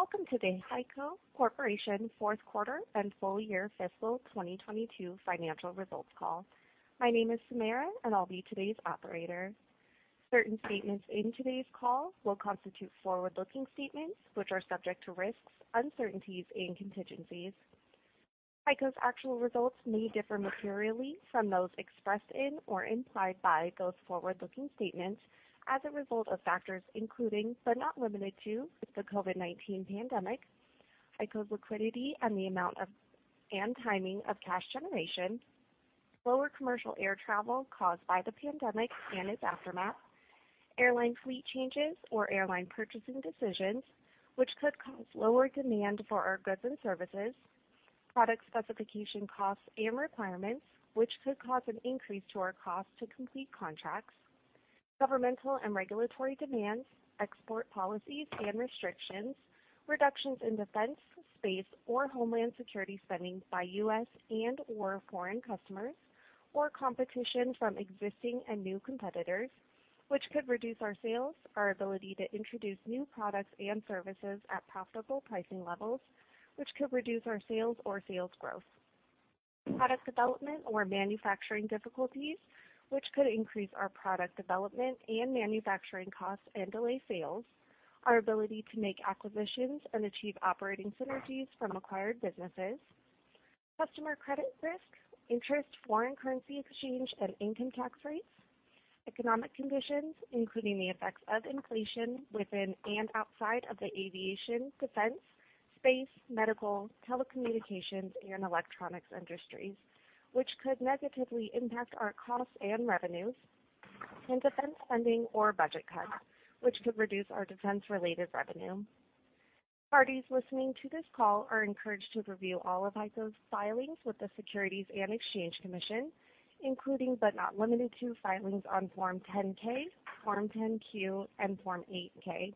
Welcome to the HEICO Corporation fourth quarter and full year fiscal 2022 financial results call. My name is Samara, and I'll be today's operator. Certain statements in today's call will constitute forward-looking statements which are subject to risks, uncertainties, and contingencies. HEICO's actual results may differ materially from those expressed in or implied by those forward-looking statements as a result of factors including, but not limited to, the COVID-19 pandemic, HEICO's liquidity and the amount and timing of cash generation, lower commercial air travel caused by the pandemic and its aftermath, airline fleet changes or airline purchasing decisions which could cause lower demand for our goods and services, product specification costs and requirements which could cause an increase to our cost to complete contracts, governmental and regulatory demands, export policies and restrictions, reductions in defense, space, or homeland security spending by U.S. and/or foreign customers or competition from existing and new competitors which could reduce our sales, our ability to introduce new products and services at profitable pricing levels which could reduce our sales or sales growth. Product development or manufacturing difficulties which could increase our product development and manufacturing costs and delay sales, our ability to make acquisitions and achieve operating synergies from acquired businesses, customer credit risk, interest, foreign currency exchange and income tax rates, economic conditions, including the effects of inflation within and outside of the aviation, defense, space, medical, telecommunications, and electronics industries which could negatively impact our costs and revenues, and defense funding or budget cuts which could reduce our defense-related revenue. Parties listening to this call are encouraged to review all of HEICO's filings with the Securities and Exchange Commission, including but not limited to filings on Form 10-K, Form 10-Q, and Form 8-K.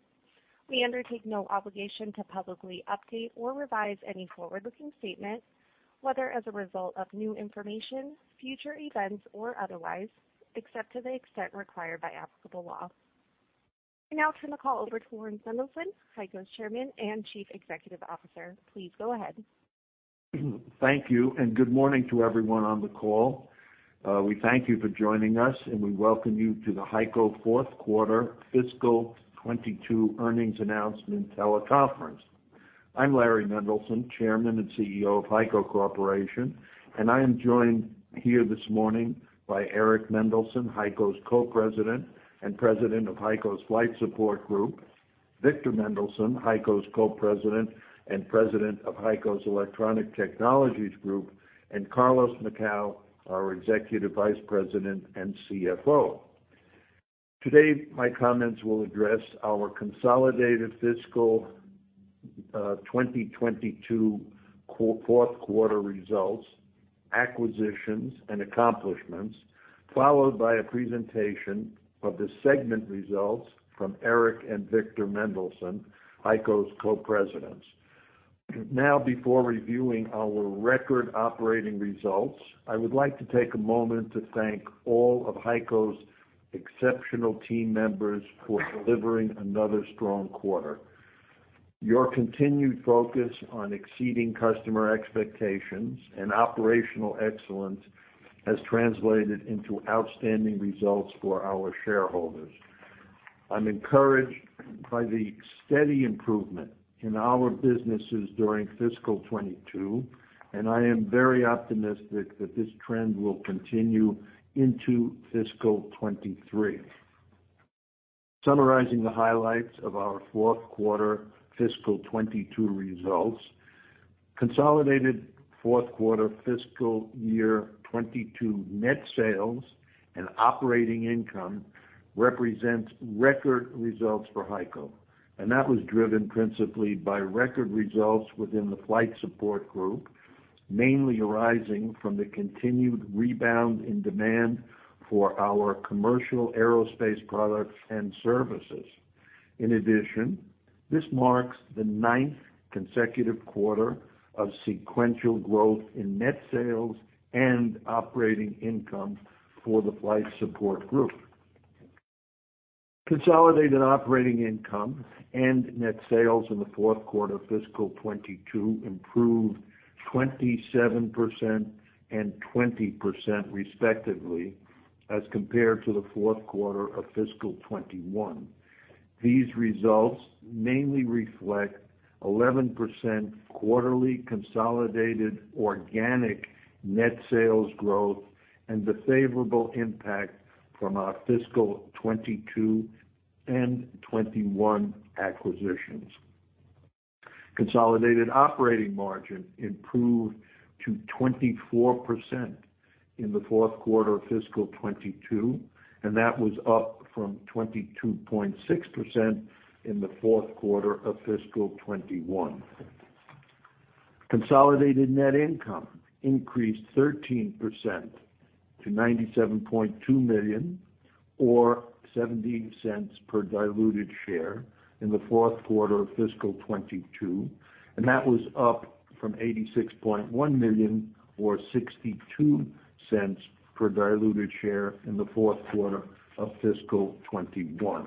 We undertake no obligation to publicly update or revise any forward-looking statement, whether as a result of new information, future events or otherwise, except to the extent required by applicable law. I now turn the call over to Larry Mendelson, HEICO's Chairman and Chief Executive Officer. Please go ahead. Thank you and good morning to everyone on the call. We thank you for joining us, and we welcome you to the HEICO fourth quarter fiscal 2022 earnings announcement teleconference. I'm Larry Mendelson, Chairman and CEO of HEICO Corporation, and I am joined here this morning by Eric Mendelson, HEICO's Co-President and President of HEICO's Flight Support Group, Victor Mendelson, HEICO's Co-President and President of HEICO's Electronic Technologies Group, and Carlos Macau, our Executive Vice President and CFO. Today, my comments will address our consolidated fiscal 2022 fourth quarter results, acquisitions, and accomplishments, followed by a presentation of the segment results from Eric and Victor Mendelson, HEICO's Co-Presidents. Before reviewing our record operating results, I would like to take a moment to thank all of HEICO's exceptional team members for delivering another strong quarter. Your continued focus on exceeding customer expectations and operational excellence has translated into outstanding results for our shareholders. I'm encouraged by the steady improvement in our businesses during fiscal 22. I am very optimistic that this trend will continue into fiscal 2023. Summarizing the highlights of our fourth quarter fiscal 2022 results, consolidated fourth quarter fiscal year 2022 net sales and operating income represents record results for HEICO. That was driven principally by record results within the Flight Support Group, mainly arising from the continued rebound in demand for our commercial aerospace products and services. In addition, this marks the ninth consecutive quarter of sequential growth in net sales and operating income for the Flight Support Group. Consolidated operating income and net sales in the fourth quarter of fiscal 2022 improved 27% and 20% respectively, as compared to the fourth quarter of fiscal 2021. These results mainly reflect 11% quarterly consolidated organic net sales growth and the favorable impact from our fiscal 2022 and 2021 acquisitions. Consolidated operating margin improved to 24% in the fourth quarter of fiscal 2022. That was up from 22.6% in the fourth quarter of fiscal 2021. Consolidated net income increased 13% to $97.2 million or $0.17 per diluted share in the fourth quarter of fiscal 2022. That was up from $86.1 million or $0.62 per diluted share in the fourth quarter of fiscal 2021.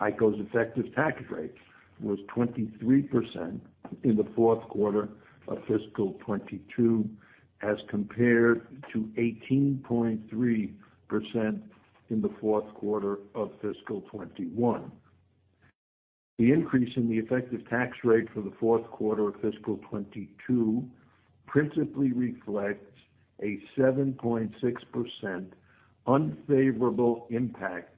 HEICO's effective tax rate was 23% in the fourth quarter of fiscal 2022, as compared to 18.3% in the fourth quarter of fiscal 2021. The increase in the effective tax rate for the fourth quarter of fiscal 2022 principally reflects a 7.6% unfavorable impact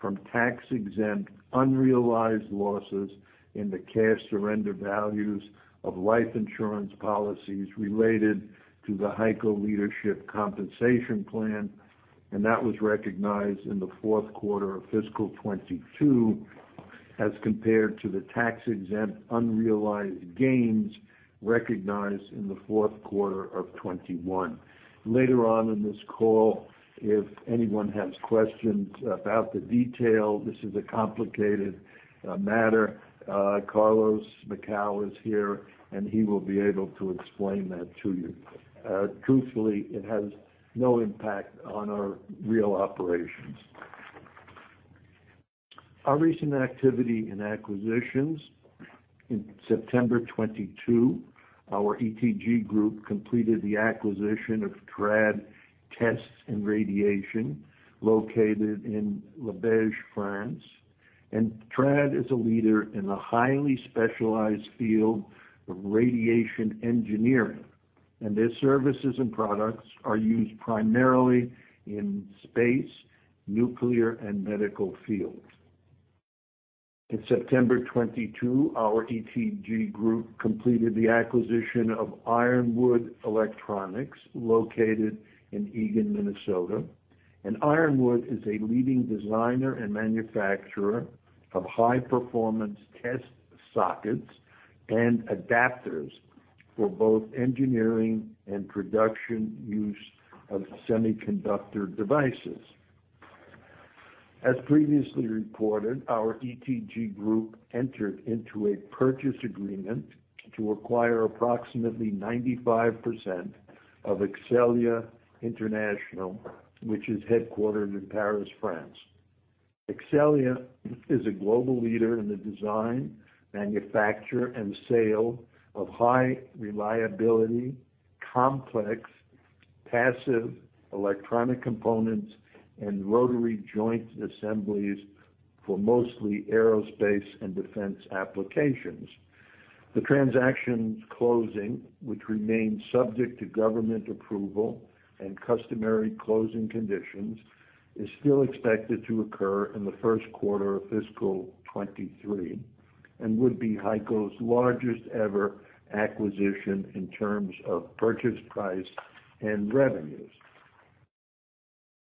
from tax-exempt unrealized losses in the cash surrender values of life insurance policies related to the HEICO Leadership Compensation Plan, and that was recognized in the fourth quarter of fiscal 2022 as compared to the tax-exempt unrealized gains recognized in the fourth quarter of 2021. Later on in this call, if anyone has questions about the detail, this is a complicated matter. Carlos Macau is here, and he will be able to explain that to you. Truthfully, it has no impact on our real operations. Our recent activity in acquisitions in September 2022, our ETG group completed the acquisition of TRAD Tests & Radiations located in Labège, France. TRAD is a leader in the highly specialized field of radiation engineering, and their services and products are used primarily in space, nuclear and medical fields. In September 2022, our ETG group completed the acquisition of Ironwood Electronics located in Eagan, Minnesota. Ironwood is a leading designer and manufacturer of high-performance test sockets and adapters for both engineering and production use of semiconductor devices. As previously reported, our ETG group entered into a purchase agreement to acquire approximately 95% of Exxelia International, which is headquartered in Paris, France. Exxelia is a global leader in the design, manufacture and sale of high reliability, complex, passive, electronic components and rotary joint assemblies for mostly aerospace and defense applications. The transaction's closing, which remains subject to government approval and customary closing conditions, is still expected to occur in the first quarter of fiscal 2023 and would be HEICO's largest ever acquisition in terms of purchase price and revenues.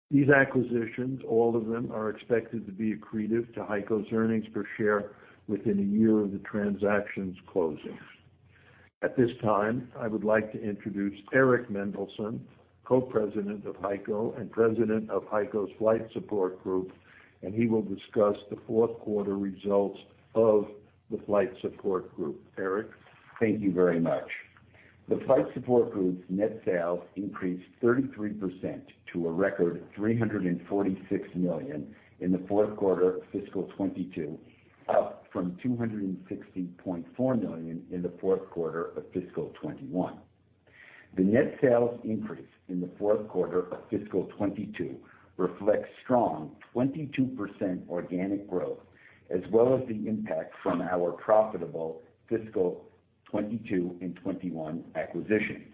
These acquisitions, all of them, are expected to be accretive to HEICO's earnings per share within a year of the transaction's closing. At this time, I would like to introduce Eric Mendelson, Co-President of HEICO and President of HEICO's Flight Support Group, and he will discuss the fourth quarter results of the Flight Support Group. Eric? Thank you very much. The Flight Support Group's net sales increased 33% to a record $346 million in the fourth quarter of fiscal 2022, up from $260.4 million in the fourth quarter of fiscal 2021. The net sales increase in the fourth quarter of fiscal 2022 reflects strong 22% organic growth as well as the impact from our profitable fiscal 2022 and 2021 acquisitions.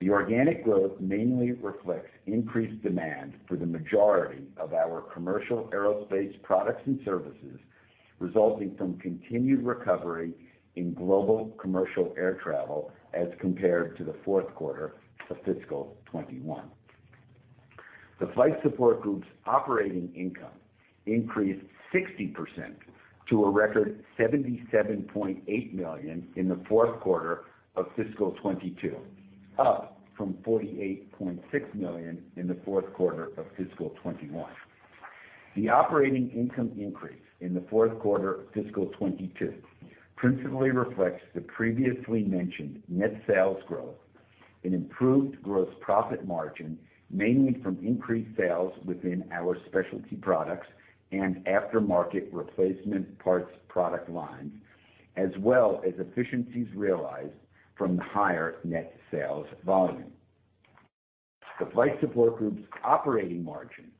The organic growth mainly reflects increased demand for the majority of our commercial aerospace products and services, resulting from continued recovery in global commercial air travel as compared to the fourth quarter of fiscal 2021. The Flight Support Group's operating income increased 60% to a record $77.8 million in the fourth quarter of fiscal 2022, up from $48.6 million in the fourth quarter of fiscal 2021. The operating income increase in the fourth quarter of fiscal 2022 principally reflects the previously mentioned net sales growth and improved gross profit margin, mainly from increased sales within our specialty products and aftermarket replacement parts product lines, as well as efficiencies realized from the higher net sales volume. The Flight Support Group's operating margin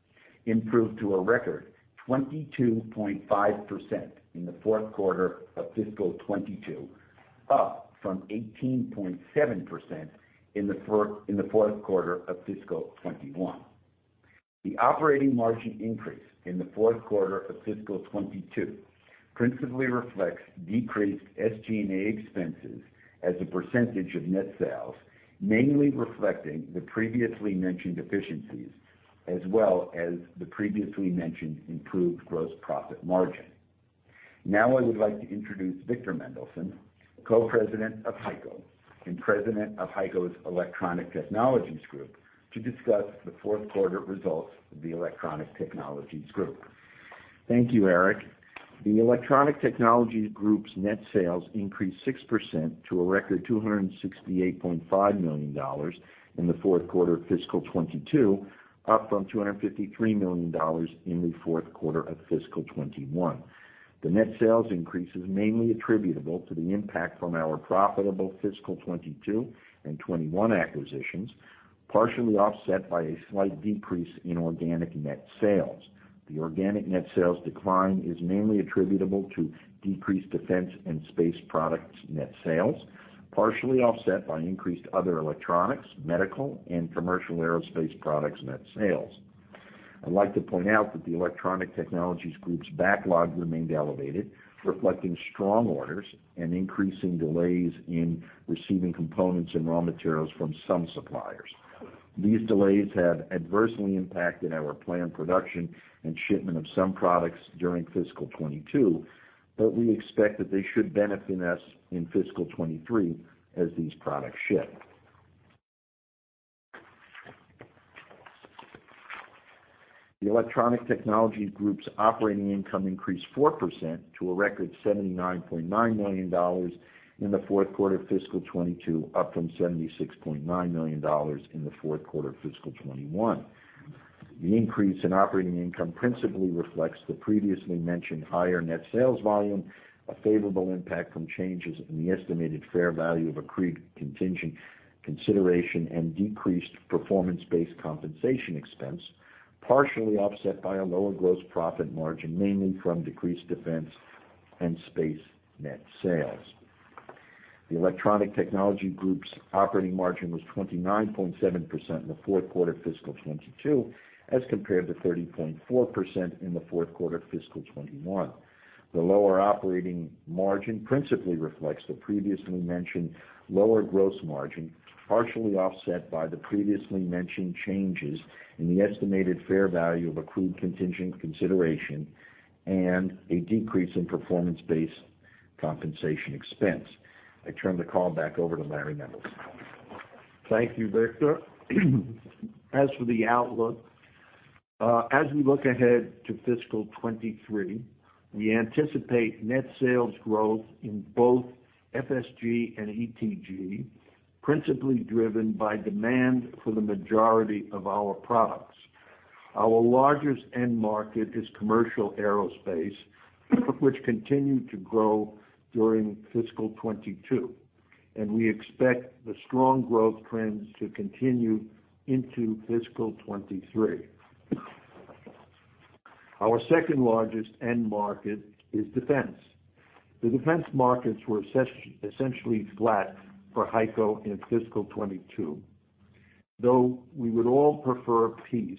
improved to a record 22.5% in the fourth quarter of fiscal 2022, up from 18.7% in the fourth quarter of fiscal 21. The operating margin increase in the fourth quarter of fiscal 2022 principally reflects decreased SG&A expenses as a % of net sales, mainly reflecting the previously mentioned efficiencies as well as the previously mentioned improved gross profit margin. Now I would like to introduce Victor Mendelson, Co-President of HEICO and President of HEICO's Electronic Technologies Group, to discuss the fourth quarter results of the Electronic Technologies Group. Thank you, Eric. The Electronic Technologies Group's net sales increased 6% to a record $268.5 million in the fourth quarter of fiscal 2022, up from $253 million in the fourth quarter of fiscal '21. The net sales increase is mainly attributable to the impact from our profitable fiscal 2022 and 2021 acquisitions, partially offset by a slight decrease in organic net sales. The organic net sales decline is mainly attributable to decreased defense and space products net sales, partially offset by increased other electronics, medical and commercial aerospace products net sales. I'd like to point out that the Electronic Technologies Group's backlog remained elevated, reflecting strong orders and increasing delays in receiving components and raw materials from some suppliers. These delays have adversely impacted our planned production and shipment of some products during fiscal 2022, but we expect that they should benefit us in fiscal 2023 as these products ship. The Electronic Technologies Group's operating income increased 4% to a record $79.9 million in the fourth quarter of fiscal 2022, up from $76.9 million in the fourth quarter of fiscal 2021. The increase in operating income principally reflects the previously mentioned higher net sales volume, a favorable impact from changes in the estimated fair value of accrued contingent consideration, and decreased performance-based compensation expense, partially offset by a lower gross profit margin, mainly from decreased defense and space net sales. The Electronic Technologies Group's operating margin was 29.7% in the fourth quarter of fiscal 2022 as compared to 30.4% in the fourth quarter of fiscal 2021. The lower operating margin principally reflects the previously mentioned lower gross margin, partially offset by the previously mentioned changes in the estimated fair value of accrued contingent consideration and a decrease in performance-based compensation expense. I turn the call back over to Larry Mendelson. Thank you, Victor. As for the outlook, as we look ahead to fiscal 2023, we anticipate net sales growth in both FSG and ETG, principally driven by demand for the majority of our products. Our largest end market is commercial aerospace, which continued to grow during fiscal 2022, and we expect the strong growth trends to continue into fiscal '23. Our second-largest end market is defense. The defense markets were essentially flat for HEICO in fiscal 2022. Though we would all prefer peace,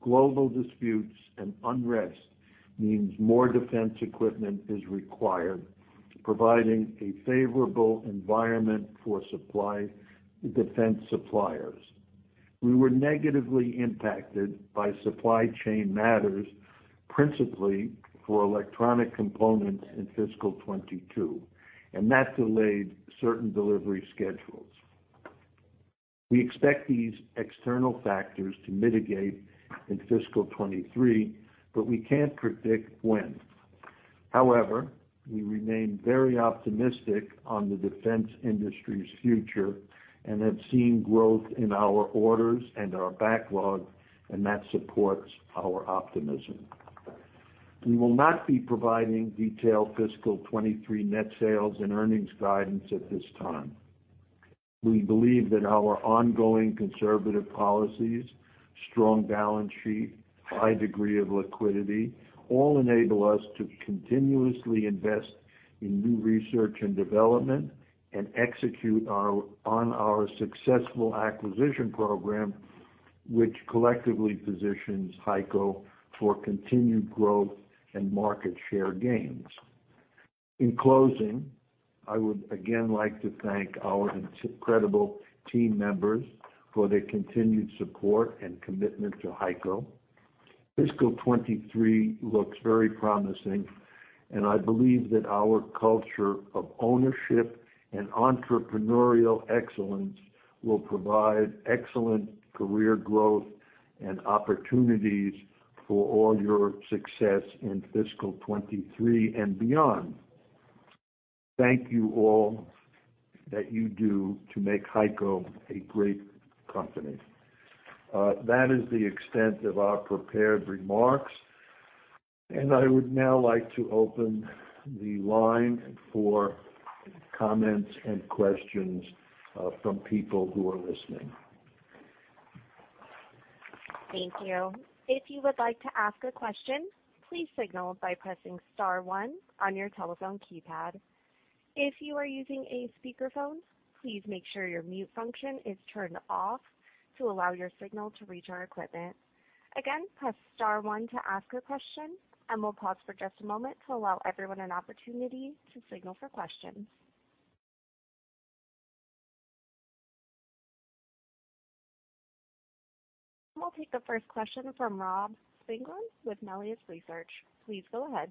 global disputes and unrest means more defense equipment is required, providing a favorable environment for defense suppliers. We were negatively impacted by supply chain matters, principally for electronic components in fiscal 2022, and that delayed certain delivery schedules. We expect these external factors to mitigate in fiscal 2023, but we can't predict when. However, we remain very optimistic on the defense industry's future and have seen growth in our orders and our backlog, and that supports our optimism. We will not be providing detailed fiscal 2023 net sales and earnings guidance at this time. We believe that our ongoing conservative policies, strong balance sheet, high degree of liquidity, all enable us to continuously invest in new research and development and execute on our successful acquisition program, which collectively positions HEICO for continued growth and market share gains. In closing, I would again like to thank our incredible team members for their continued support and commitment to HEICO. Fiscal 2023 looks very promising, and I believe that our culture of ownership and entrepreneurial excellence will provide excellent career growth and opportunities for all your success in fiscal 2023 and beyond. Thank you all that you do to make HEICO a great company. That is the extent of our prepared remarks. I would now like to open the line for comments and questions, from people who are listening. Thank you. If you would like to ask a question, please signal by pressing star one on your telephone keypad. If you are using a speakerphone, please make sure your mute function is turned off to allow your signal to reach our equipment. Again, press star one to ask a question, and we'll pause for just a moment to allow everyone an opportunity to signal for questions. I'll take the first question from Rob Spingarn with Melius Research. Please go ahead.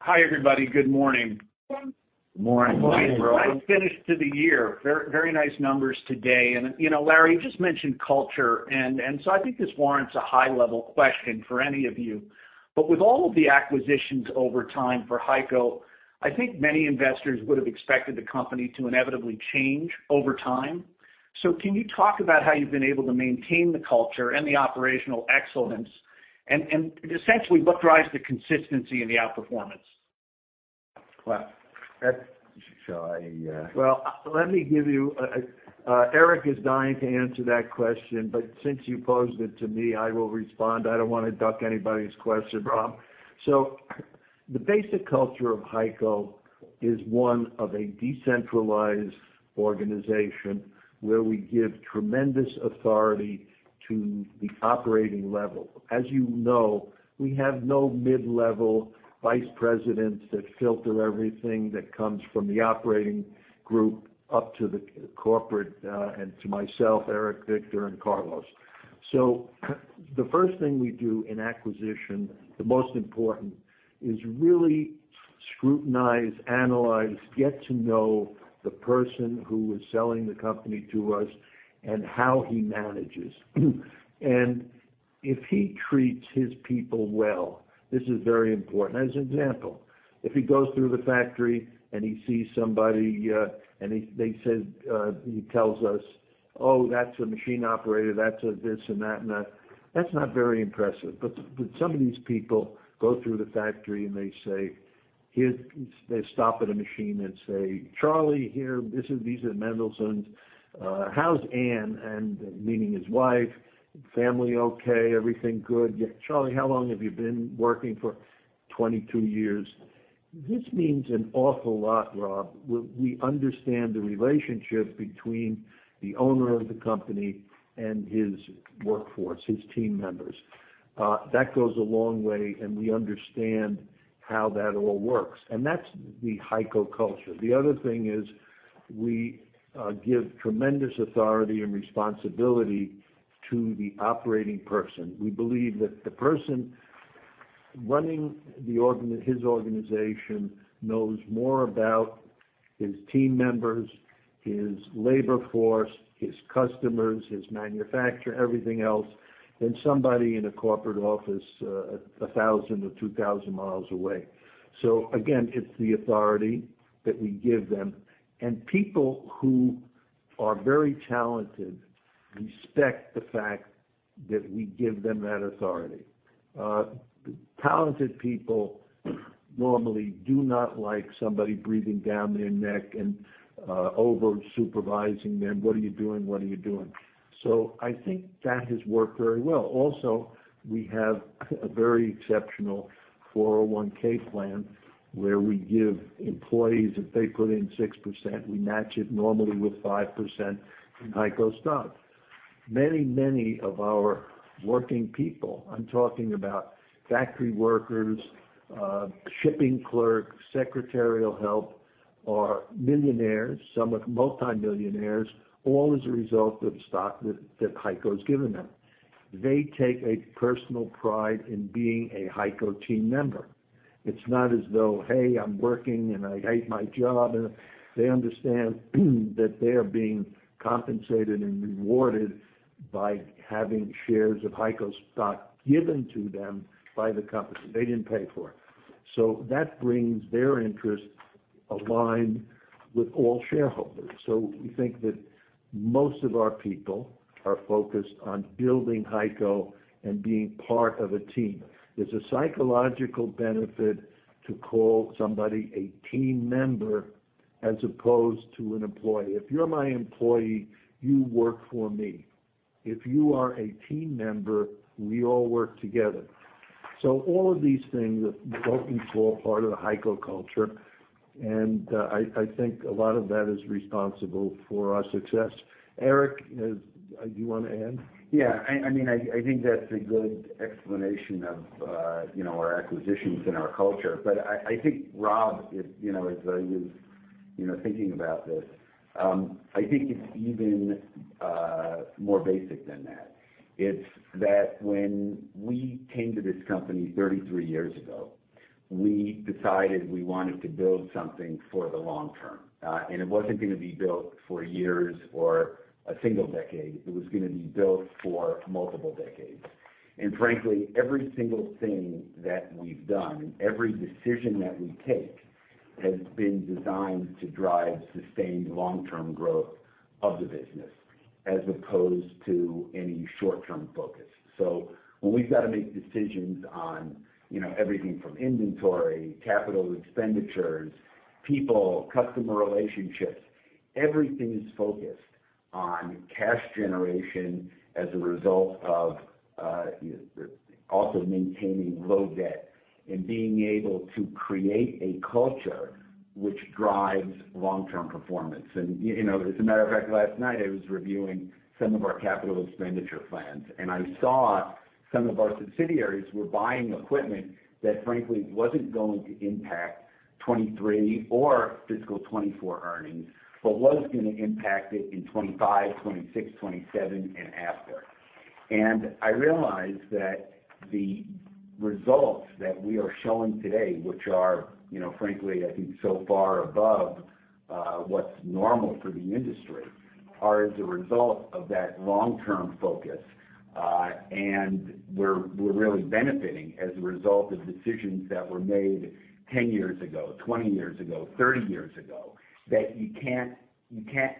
Hi, everybody. Good morning. Good morning. Nice finish to the year. Very, very nice numbers today. You know, Larry, you just mentioned culture, and so I think this warrants a high-level question for any of you. With all of the acquisitions over time for HEICO, I think many investors would have expected the company to inevitably change over time. Can you talk about how you've been able to maintain the culture and the operational excellence and essentially what drives the consistency in the outperformance? Well, that... Shall I? Well, let me give you Eric is dying to answer that question, but since you posed it to me, I will respond. I don't wanna duck anybody's question, Rob. The basic culture of HEICO is one of a decentralized organization where we give tremendous authority to the operating level. As you know, we have no mid-level vice presidents that filter everything that comes from the operating group up to the corporate and to myself, Eric, Victor, and Carlos. The first thing we do in acquisition, the most important, is really scrutinize, analyze, get to know the person who is selling the company to us and how he manages. If he treats his people well, this is very important. As an example, if he goes through the factory and he sees somebody, and they said, he tells us, "Oh, that's a machine operator, that's a this and that and that," that's not very impressive. Some of these people go through the factory and they say, They stop at a machine and say, "Charlie, here, these are Mendelson's. How's Anne?" Meaning his wife. "Family okay? Everything good? Charlie, how long have you been working for 22 years." This means an awful lot, Rob. We understand the relationship between the owner of the company and his workforce, his team members. That goes a long way, and we understand how that all works. That's the HEICO culture. The other thing is we give tremendous authority and responsibility to the operating person. We believe that the person running his organization knows more about his team members, his labor force, his customers, his manufacturer, everything else, than somebody in a corporate office, a 1,000 or 2,000 miles away. Again, it's the authority that we give them. People who are very talented respect the fact that we give them that authority. Talented people normally do not like somebody breathing down their neck and over-supervising them. What are you doing? What are you doing? I think that has worked very well. Also, we have a very exceptional 401 plan, where we give employees, if they put in 6%, we match it normally with 5% in HEICO stock. Many, many of our working people, I'm talking about factory workers, shipping clerks, secretarial help, are millionaires, some are multimillionaires, all as a result of stock that HEICO's given them. They take a personal pride in being a HEICO team member. It's not as though, "Hey, I'm working, and I hate my job." They understand that they are being compensated and rewarded by having shares of HEICO stock given to them by the company. They didn't pay for it. That brings their interests aligned with all shareholders. We think that most of our people are focused on building HEICO and being part of a team. There's a psychological benefit to call somebody a team member as opposed to an employee. If you're my employee, you work for me. If you are a team member, we all work together. All of these things have developed into a part of the HEICO culture, and, I think a lot of that is responsible for our success. Eric, do you wanna add? Yeah, I mean, I think that's a good explanation of, you know, our acquisitions and our culture. I think, Rob, you know, as I was, you know, thinking about this, I think it's even more basic than that. It's that when we came to this company 33 years ago, we decided we wanted to build something for the long term. It wasn't gonna be built for years or a single decade. It was gonna be built for multiple decades. Frankly, every single thing that we've done, every decision that we take, has been designed to drive sustained long-term growth of the business as opposed to any short-term focus. When we've got to make decisions on, you know, everything from inventory, capital expenditures, people, customer relationships, everything is focused on cash generation as a result of also maintaining low debt and being able to create a culture which drives long-term performance. You know, as a matter of fact, last night I was reviewing some of our capital expenditure plans, and I saw some of our subsidiaries were buying equipment that frankly wasn't going to impact 2023 or fiscal 2024 earnings, but was gonna impact it in 2025,2026, 2027 and after. I realize that the results that we are showing today, which are, you know, frankly, I think so far above, what's normal for the industry, are as a result of that long-term focus. We're really benefiting as a result of decisions that were made 10 years ago, 20 years ago, 30 years ago, that you can't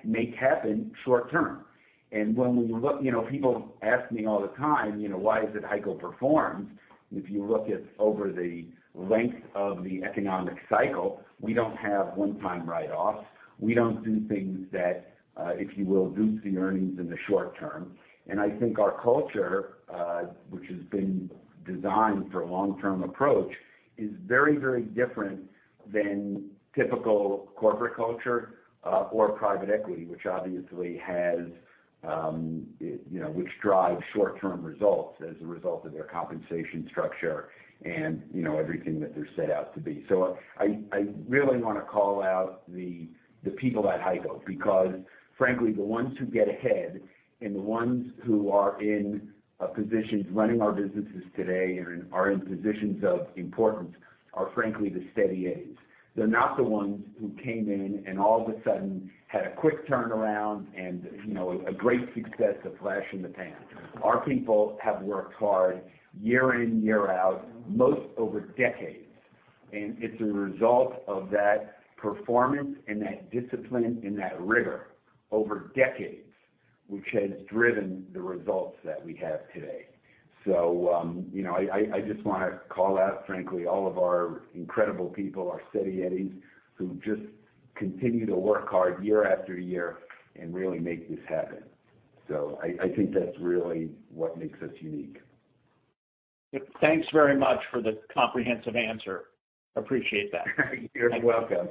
make happen short term. When we look, you know, people ask me all the time, you know, why is it HEICO performs? If you look at over the length of the economic cycle, we don't have one-time write-offs. We don't do things that, if you will, boost the earnings in the short term. I think our culture, which has been designed for long-term approach, is very, very different than typical corporate culture, or private equity, which obviously has, you know, which drives short-term results as a result of their compensation structure and, you know, everything that they're set out to be. I really wanna call out the people at HEICO, because frankly, the ones who get ahead and the ones who are in positions running our businesses today are in positions of importance are frankly the steady eddies. They're not the ones who came in and all of a sudden had a quick turnaround and, you know, a great success, a flash in the pan. Our people have worked hard year in, year out, most over decades, and it's a result of that performance and that discipline and that rigor over decades, which has driven the results that we have today. You know, I just wanna call out, frankly, all of our incredible people, our steady eddies, who just continue to work hard year after year and really make this happen. I think that's really what makes us unique. Thanks very much for the comprehensive answer. Appreciate that. You're welcome.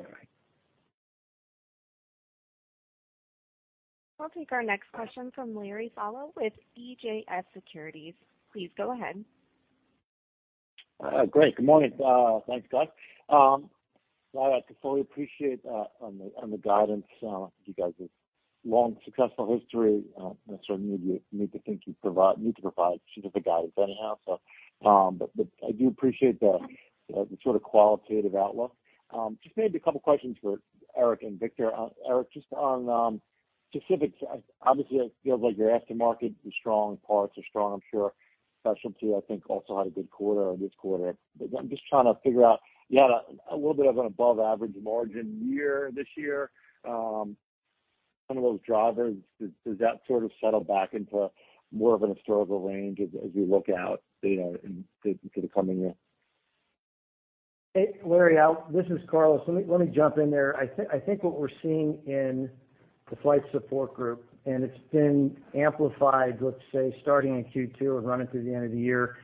Thank you. I'll take our next question from Larry Solow with CJS Securities. Please go ahead. Great. Good morning. Thanks, guys. Well, I totally appreciate on the guidance, you guys' long successful history. I certainly need to provide specific guidance anyhow. I do appreciate the sort of qualitative outlook. Just maybe a couple questions for Eric and Victor. Eric, just on specifics, obviously, it feels like your aftermarket is strong, parts are strong. I'm sure specialty, I think, also had a good quarter this quarter. I'm just trying to figure out, you had a little bit of an above-average margin year this year. Some of those drivers, does that sort of settle back into more of an historical range as we look out, you know, to the coming year? Hey, Larry, this is Carlos. Let me jump in there. I think what we're seeing in the Flight Support Group, it's been amplified, let's say, starting in Q2 and running through the end of the year,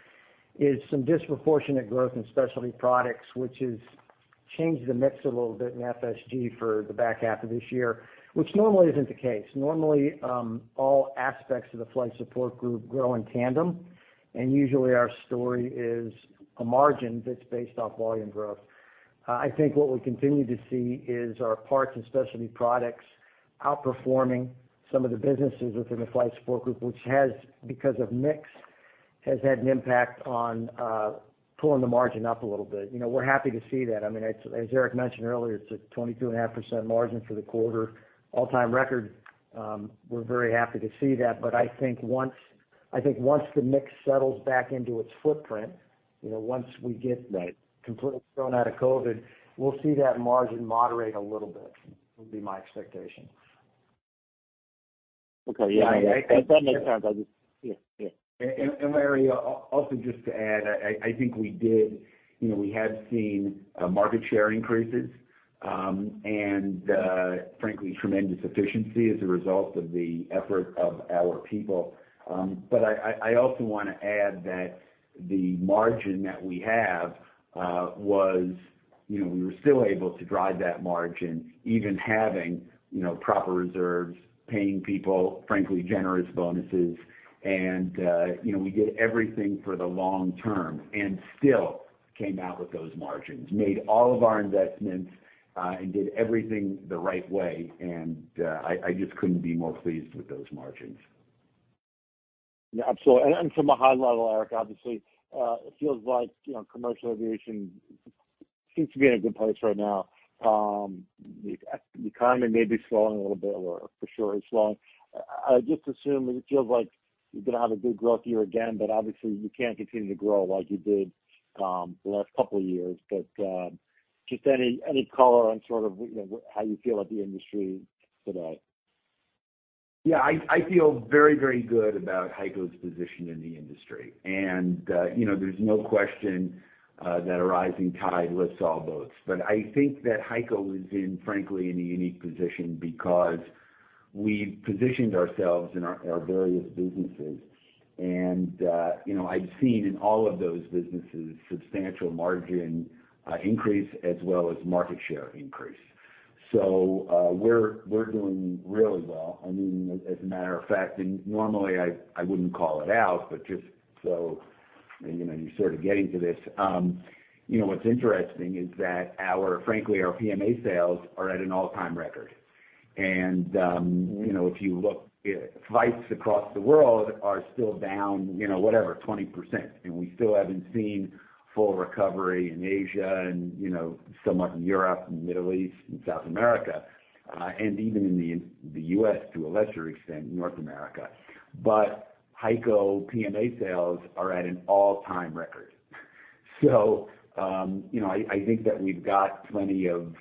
is some disproportionate growth in specialty products, which has changed the mix a little bit in FSG for the back half of this year, which normally isn't the case. Normally, all aspects of the Flight Support Group grow in tandem, usually, our story is a margin that's based off volume growth. I think what we continue to see is our parts and specialty products outperforming some of the businesses within the Flight Support Group, which has, because of mix, has had an impact on pulling the margin up a little bit. You know, we're happy to see that. I mean, as Eric mentioned earlier, it's a 22.5% margin for the quarter, all-time record. We're very happy to see that. I think once the mix settles back into its footprint, you know, once we get completely thrown out of COVID-19, we'll see that margin moderate a little bit, would be my expectation. Okay. Yeah. That makes sense. I just. Yeah. Yeah. Larry, also just to add, I think we did, you know, we have seen market share increases, and frankly, tremendous efficiency as a result of the effort of our people. I also wanna add that the margin that we have was, you know, we were still able to drive that margin even having, you know, proper reserves, paying people, frankly, generous bonuses. You know, we did everything for the long term and still came out with those margins, made all of our investments, and did everything the right way. I just couldn't be more pleased with those margins. Yeah, absolutely. From a high level, Eric, obviously, it feels like, you know, commercial aviation seems to be in a good place right now. The economy may be slowing a little bit, or for sure is slowing. I just assume it feels like you're gonna have a good growth year again, but obviously, you can't continue to grow like you did, the last couple of years. Just any color on sort of, you know, how you feel about the industry today? Yeah. I feel very good about HEICO's position in the industry. You know, there's no question that a rising tide lifts all boats. I think that HEICO is in, frankly, in a unique position because we've positioned ourselves in our various businesses. You know, I've seen in all of those businesses substantial margin increase as well as market share increase. We're doing really well. I mean, as a matter of fact, normally I wouldn't call it out, but just so, you know, you're sort of getting to this. You know, what's interesting is that our, frankly, our PMA sales are at an all-time record. You know, if you look, flights across the world are still down, you know, whatever, 20%, and we still haven't seen full recovery in Asia and, you know, somewhat in Europe and Middle East and South America, and even in the, in the US to a lesser extent, North America. HEICO PMA sales are at an all-time record. You know, I think that we've got plenty of,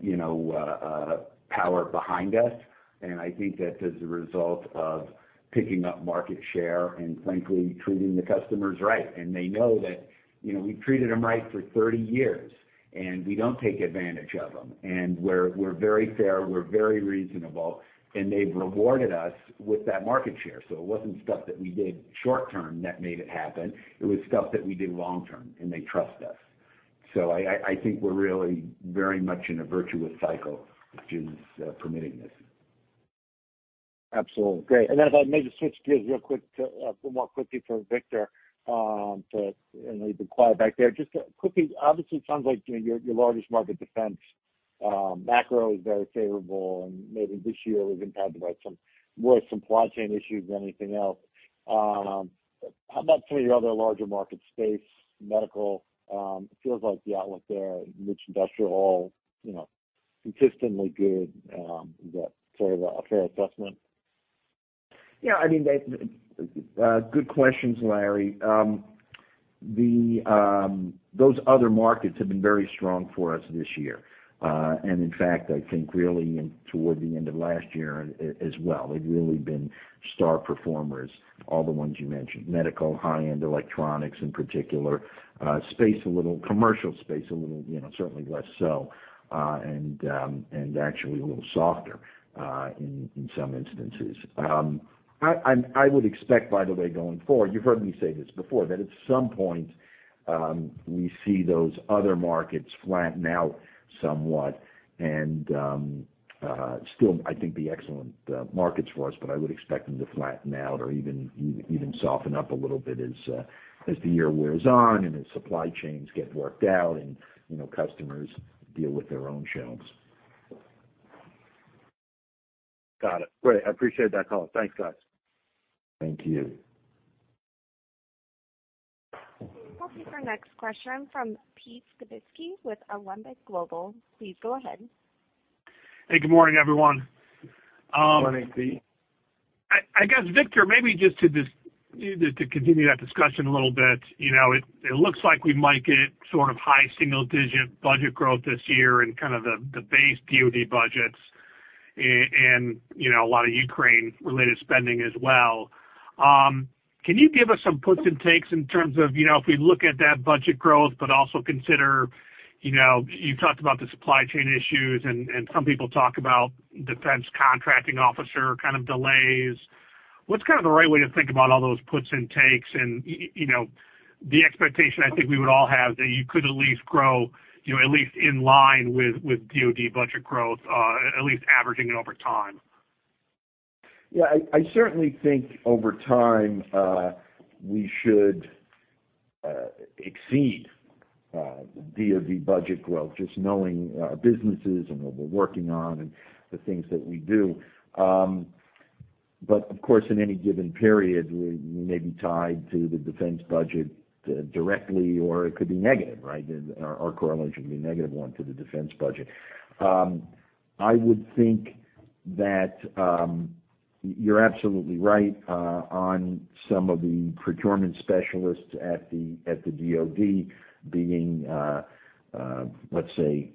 you know, power behind us, and I think that's as a result of picking up market share and frankly, treating the customers right. They know that, you know, we've treated them right for 30 years, and we don't take advantage of them. We're very fair, we're very reasonable, and they've rewarded us with that market share. It wasn't stuff that we did short term that made it happen, it was stuff that we did long term, and they trust us. I think we're really very much in a virtuous cycle, which is permitting this. Absolutely. Great. Then if I may just switch gears real quick to more quickly for Victor. I know you've been quiet back there. Just quickly, obviously, it sounds like your largest market defense, macro is very favorable, and maybe this year we've been impacted by more supply chain issues than anything else. How about some of your other larger market space, medical? It feels like the outlook there, rich industrial, you know, consistently good. Is that sort of a fair assessment? Yeah, I mean, good questions, Larry. The, those other markets have been very strong for us this year. In fact, I think really toward the end of last year as well, they've really been star performers, all the ones you mentioned, medical, high-end electronics in particular, commercial space a little, you know, certainly less so, and actually a little softer in some instances. I would expect, by the way, going forward, you've heard me say this before, that at some point, we see those other markets flatten out somewhat and, still, I think be excellent, markets for us, but I would expect them to flatten out or even soften up a little bit as the year wears on and as supply chains get worked out and, you know, customers deal with their own shelves. Got it. Great. I appreciate that call. Thanks, guys. Thank you. We'll take our next question from Pete Skibitski with Alembic Global. Please go ahead. Hey, good morning, everyone. Morning, Pete. I guess, Victor, maybe just to continue that discussion a little bit, you know, it looks like we might get sort of high single-digit budget growth this year and kind of the base DoD budgets and, you know, a lot of Ukraine-related spending as well. Can you give us some puts and takes in terms of, you know, if we look at that budget growth, but also consider, you know, you talked about the supply chain issues and some people talk about defense contracting officer kind of delays. What's kind of the right way to think about all those puts and takes and, you know, the expectation I think we would all have that you could at least grow, you know, at least in line with DoD budget growth, at least averaging it over time? Yeah. I certainly think over time, we should exceed DoD budget growth, just knowing our businesses and what we're working on and the things that we do. Of course, in any given period, we may be tied to the defense budget directly, or it could be negative, right? Our correlation could be a negative one to the defense budget. I would think that you're absolutely right on some of the procurement specialists at the DoD being, let's say,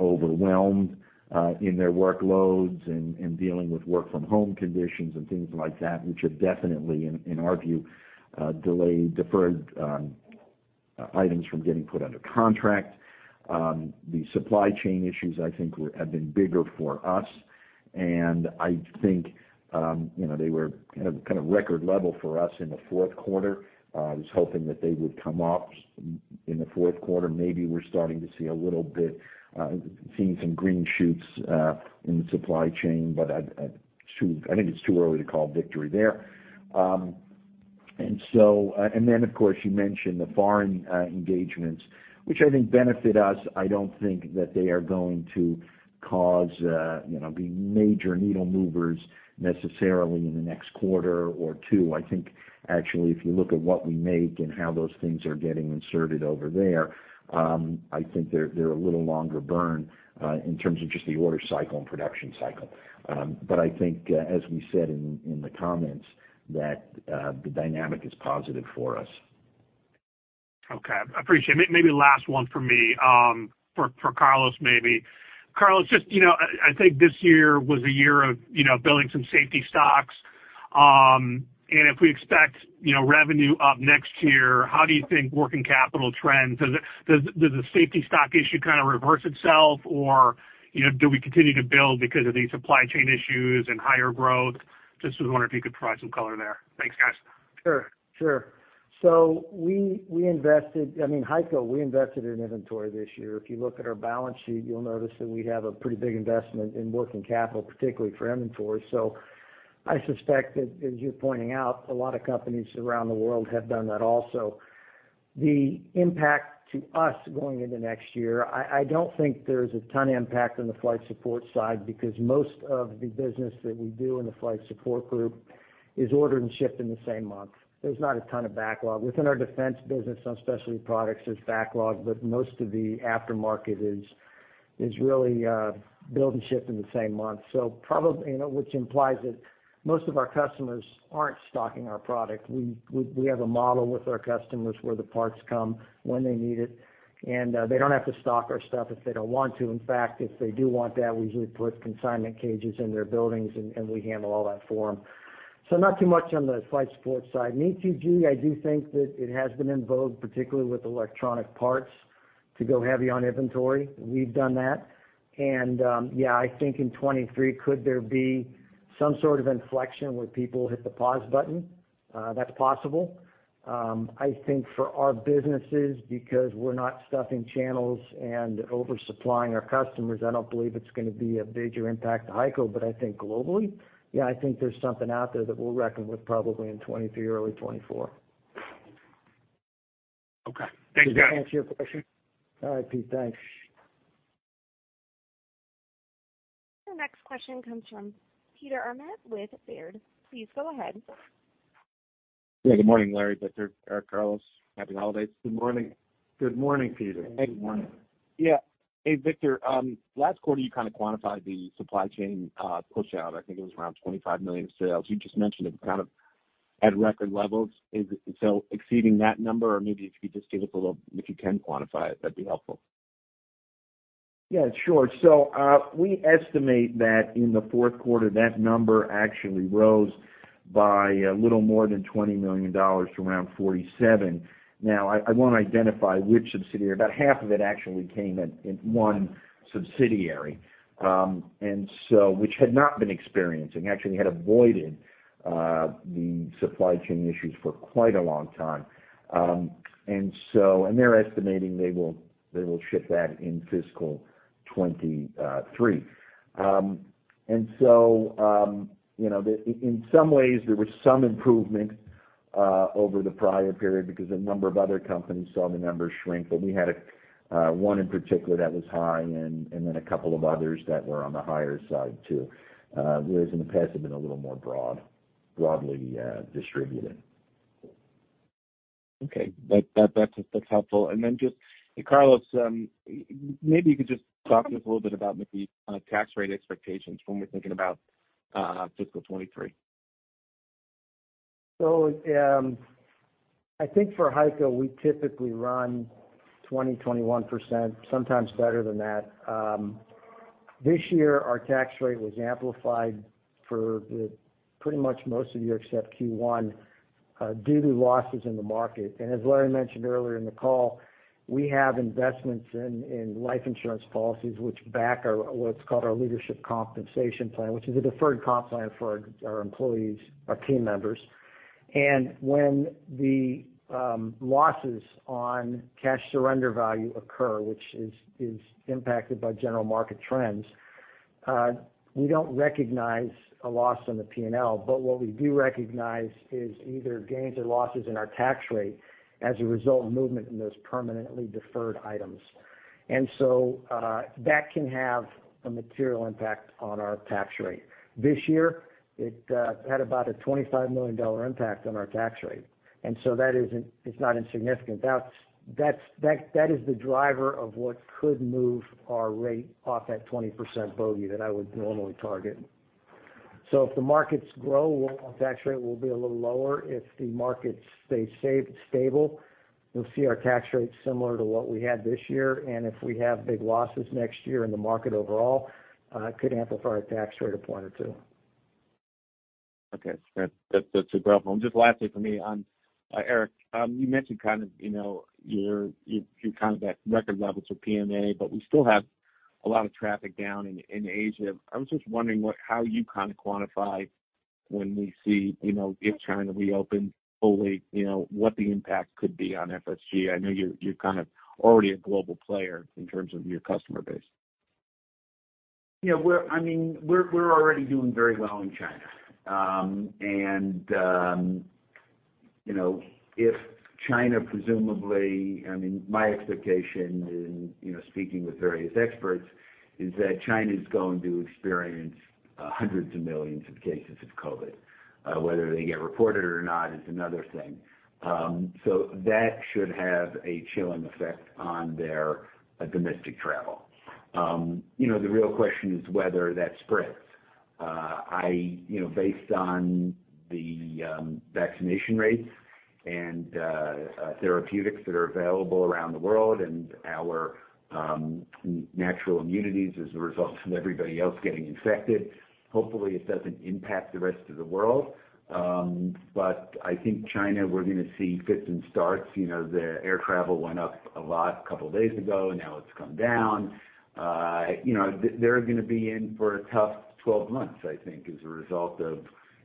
overwhelmed in their workloads and dealing with work from home conditions and things like that, which have definitely, in our view, delayed, deferred, items from getting put under contract. The supply chain issues, I think, have been bigger for us, and I think, you know, they were at a kind of record level for us in the fourth quarter. I was hoping that they would come up in the fourth quarter. Maybe we're starting to see a little bit, seeing some green shoots in the supply chain, but I think it's too early to call victory there. Of course, you mentioned the foreign engagements, which I think benefit us. I don't think that they are going to cause, you know, be major needle movers necessarily in the next quarter or two. I think actually, if you look at what we make and how those things are getting inserted over there, I think they're a little longer burn, in terms of just the order cycle and production cycle. I think, as we said in the comments, that, the dynamic is positive for us. Okay. I appreciate. Maybe last one for me, for Carlos, maybe. Carlos, just, you know, I think this year was a year of, you know, building some safety stocks. If we expect, you know, revenue up next year, how do you think working capital trends? Does the safety stock issue kinda reverse itself or, you know, do we continue to build because of these supply chain issues and higher growth? Just was wondering if you could provide some color there. Thanks, guys. Sure. Sure. we invested, I mean, HEICO, we invested in inventory this year. If you look at our balance sheet, you'll notice that we have a pretty big investment in working capital, particularly for inventory. I suspect that as you're pointing out, a lot of companies around the world have done that also. The impact to us going into next year, I don't think there's a ton of impact on the flight support side because most of the business that we do in the Flight Support Group is ordered and shipped in the same month. There's not a ton of backlog. Within our defense business on specialty products, there's backlog, but most of the aftermarket is really build and ship in the same month. you know, which implies that most of our customers aren't stocking our product. We have a model with our customers where the parts come when they need it, and they don't have to stock our stuff if they don't want to. In fact, if they do want that, we usually put consignment cages in their buildings and we handle all that for them. Not too much on the Flight Support side. In ETG, I do think that it has been in vogue, particularly with electronic parts, to go heavy on inventory. We've done that. Yeah, I think in 2023, could there be some sort of inflection where people hit the pause button? That's possible. I think for our businesses, because we're not stuffing channels and oversupplying our customers, I don't believe it's gonna be a major impact to HEICO. I think globally, yeah, I think there's something out there that we'll reckon with probably in 2023, early 2024. Okay. Thanks, guys. Does that answer your question? All right, Pete. Thanks. The next question comes from Peter Arment with Baird. Please go ahead. Yeah, good morning, Larry, Victor, Eric, Carlos. Happy holidays. Good morning. Good morning, Peter. Good morning. Yeah. Hey, Victor, last quarter, you kind of quantified the supply chain pushout. I think it was around $25 million sales. You just mentioned it kind of at record levels. Is it so exceeding that number? Or maybe if you just give us a little if you can quantify it, that'd be helpful. Yeah, sure. We estimate that in the fourth quarter, that number actually rose by a little more than $20 million to around $47 million. I won't identify which subsidiary. About half of it actually came in one subsidiary, and so which had not been experiencing, actually had avoided, the supply chain issues for quite a long time. And they're estimating they will ship that in fiscal 2023. You know, in some ways, there was some improvement, over the prior period because a number of other companies saw the numbers shrink. We had one in particular that was high and then a couple of others that were on the higher side too, whereas in the past, had been a little more broadly distributed. Okay. That's helpful. Then just, Carlos, maybe you could just talk to us a little bit about tax rate expectations when we're thinking about fiscal 2023. I think for HEICO, we typically run 20%-21%, sometimes better than that. This year, our tax rate was amplified for the pretty much most of the year except Q1, due to losses in the market. As Larry mentioned earlier in the call, we have investments in life insurance policies which back our, what's called our HEICO Corporation Leadership Compensation Plan, which is a deferred comp plan for our employees, our team members. When the losses on cash surrender value occur, which is impacted by general market trends, we don't recognize a loss on the P&L, but what we do recognize is either gains or losses in our tax rate as a result of movement in those permanently deferred items. That can have a material impact on our tax rate. This year, it had about a $25 million impact on our tax rate. That's not insignificant. That's, that is the driver of what could move our rate off that 20% bogey that I would normally target. If the markets grow, our tax rate will be a little lower. If the markets stay safe and stable, you'll see our tax rate similar to what we had this year. If we have big losses next year in the market overall, could amplify our tax rate a point or two. Okay. That's, that's a great one. Just lastly for me, Eric, you mentioned kind of, you know, you're kind of at record levels for PMA, but we still have a lot of traffic down in Asia. I was just wondering how you kind of quantify when we see, you know, if China reopened fully, you know, what the impact could be on FSG. I know you're kind of already a global player in terms of your customer base. Yeah. I mean, we're already doing very well in China. You know, if China presumably, I mean, my expectation in, you know, speaking with various experts is that China's going to experience hundreds of millions of cases of COVID. Whether they get reported or not is another thing. That should have a chilling effect on their domestic travel. You know, the real question is whether that spreads. I... You know, based on the vaccination rates and therapeutics that are available around the world and our natural immunities as a result of everybody else getting infected, hopefully it doesn't impact the rest of the world. I think China, we're gonna see fits and starts. You know, the air travel went up a lot a couple days ago, now it's come down. You know, they're gonna be in for a tough 12 months, I think, as a result of,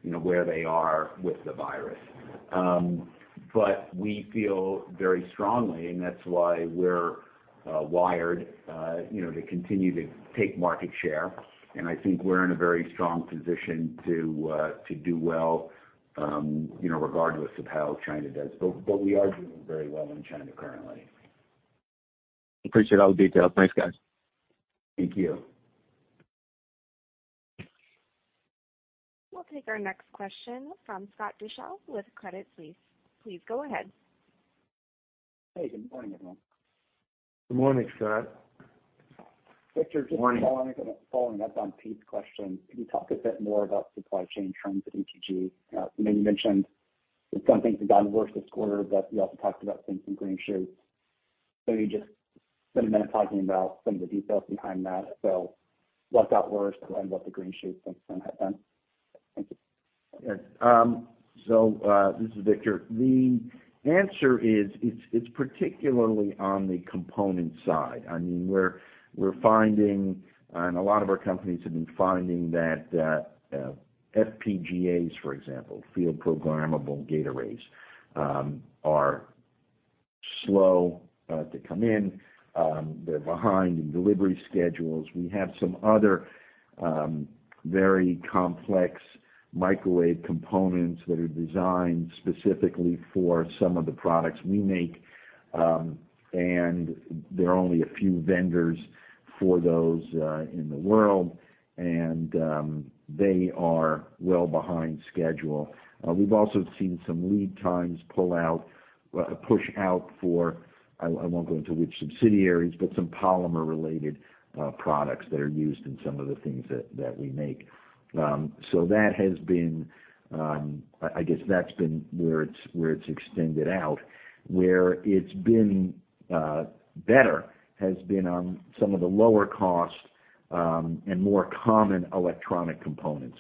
you know, where they are with the virus. We feel very strongly, and that's why we're wired, you know, to continue to take market share. I think we're in a very strong position to do well, you know, regardless of how China does. We are doing very well in China currently. Appreciate all the details. Thanks, guys. Thank you. We'll take our next question from Scott Deuschle with Credit Suisse. Please go ahead. Hey, good morning, everyone. Good morning, Scott. Good morning. Victor, just following up on Pete's question. Can you talk a bit more about supply chain trends at ETG? I know you mentioned that some things have gotten worse this quarter, you also talked about seeing some green shoots. Maybe just spend a minute talking about some of the details behind that. What got worse and what the green shoots look like then? Thank you. Yes. This is Victor. The answer is, it's particularly on the component side. I mean, we're finding, and a lot of our companies have been finding that FPGAs, for example, field-programmable gate arrays, are slow to come in. They're behind in delivery schedules. We have some other, very complex microwave components that are designed specifically for some of the products we make, and there are only a few vendors for those in the world, and they are well behind schedule. We've also seen some lead times push out for, I won't go into which subsidiaries, but some polymer-related products that are used in some of the things that we make. That has been, I guess, that's been where it's extended out. Where it's been better has been on some of the lower cost, and more common electronic components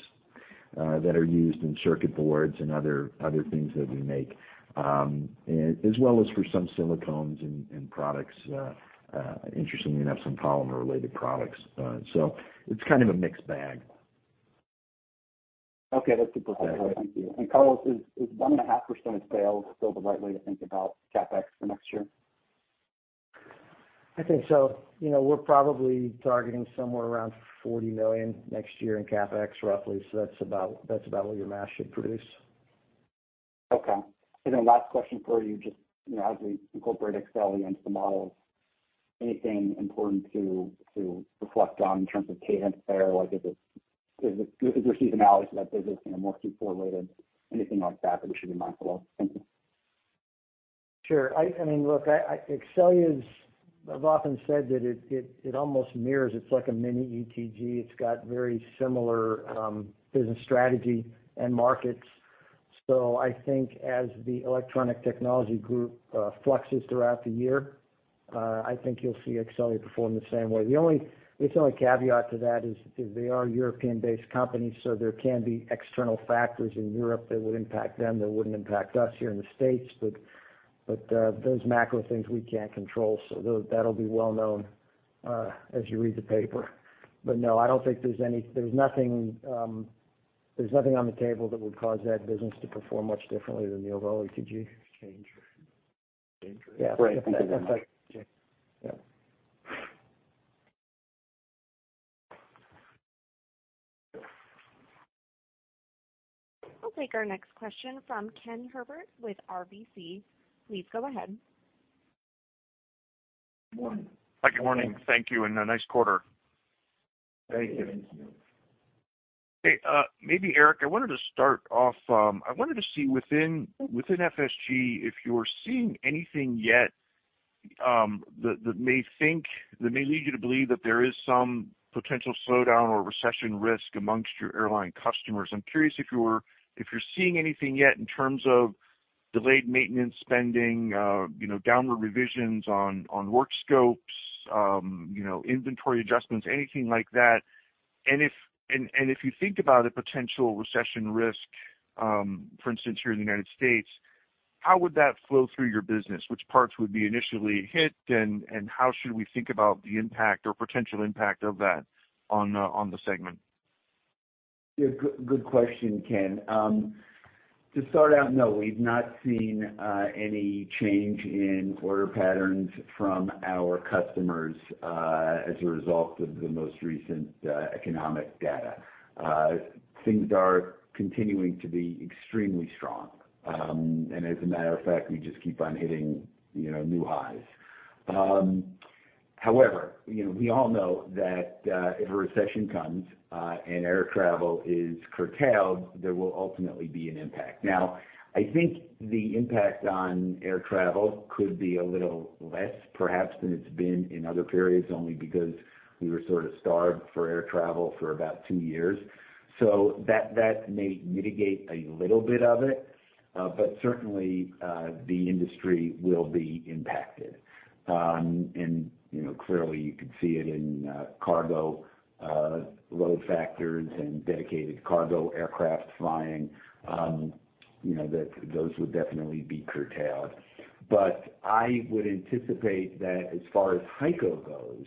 that are used in circuit boards and other things that we make. As well as for some silicones and products, interestingly enough, some polymer-related products. It's kind of a mixed bag. Okay. That's super helpful. Thank you. Carlos, is 1.5% of sales still the right way to think about CapEx for next year? I think so. You know, we're probably targeting somewhere around $40 million next year in CapEx, roughly. That's about what your math should produce. Okay. Then last question for you. Just, you know, as we incorporate Exxelia into the model, anything important to reflect on in terms of cadence there? Like is there seasonality to that business, you know, more Q4 weighted? Anything like that we should be mindful of? Thank you. Sure. I mean, look, Exxelia is I've often said that it almost mirrors, it's like a mini ETG. It's got very similar business strategy and markets. I think as the Electronic Technologies Group fluxes throughout the year, I think you'll see Exxelia perform the same way. The only caveat to that is they are a European-based company, there can be external factors in Europe that would impact them, that wouldn't impact us here in the States. Those macro things we can't control. That'll be well known as you read the paper. No, I don't think there's nothing, there's nothing on the table that would cause that business to perform much differently than the overall ETG. Change. Great. Thank you very much. Yeah. We'll take our next question from Ken Herbert with RBC. Please go ahead. Morning. Hi, good morning. Thank you. A nice quarter. Thank you. Hey, maybe Eric, I wanted to start off. I wanted to see within FSG if you're seeing anything yet, that may lead you to believe that there is some potential slowdown or recession risk amongst your airline customers. I'm curious if you're seeing anything yet in terms of delayed maintenance spending, you know, downward revisions on work scopes, you know, inventory adjustments, anything like that. If you think about a potential recession risk, for instance, here in the United States, how would that flow through your business? Which parts would be initially hit, and how should we think about the impact or potential impact of that on the segment? Yeah, good question, Ken. To start out, no, we've not seen any change in order patterns from our customers as a result of the most recent economic data. Things are continuing to be extremely strong. As a matter of fact, we just keep on hitting, you know, new highs. However, you know, we all know that if a recession comes and air travel is curtailed, there will ultimately be an impact. Now, I think the impact on air travel could be a little less perhaps than it's been in other periods, only because we were sort of starved for air travel for about two years. That may mitigate a little bit of it. Certainly, the industry will be impacted. You know, clearly, you could see it in cargo load factors and dedicated cargo aircraft flying. You know, those would definitely be curtailed. I would anticipate that as far as HEICO goes.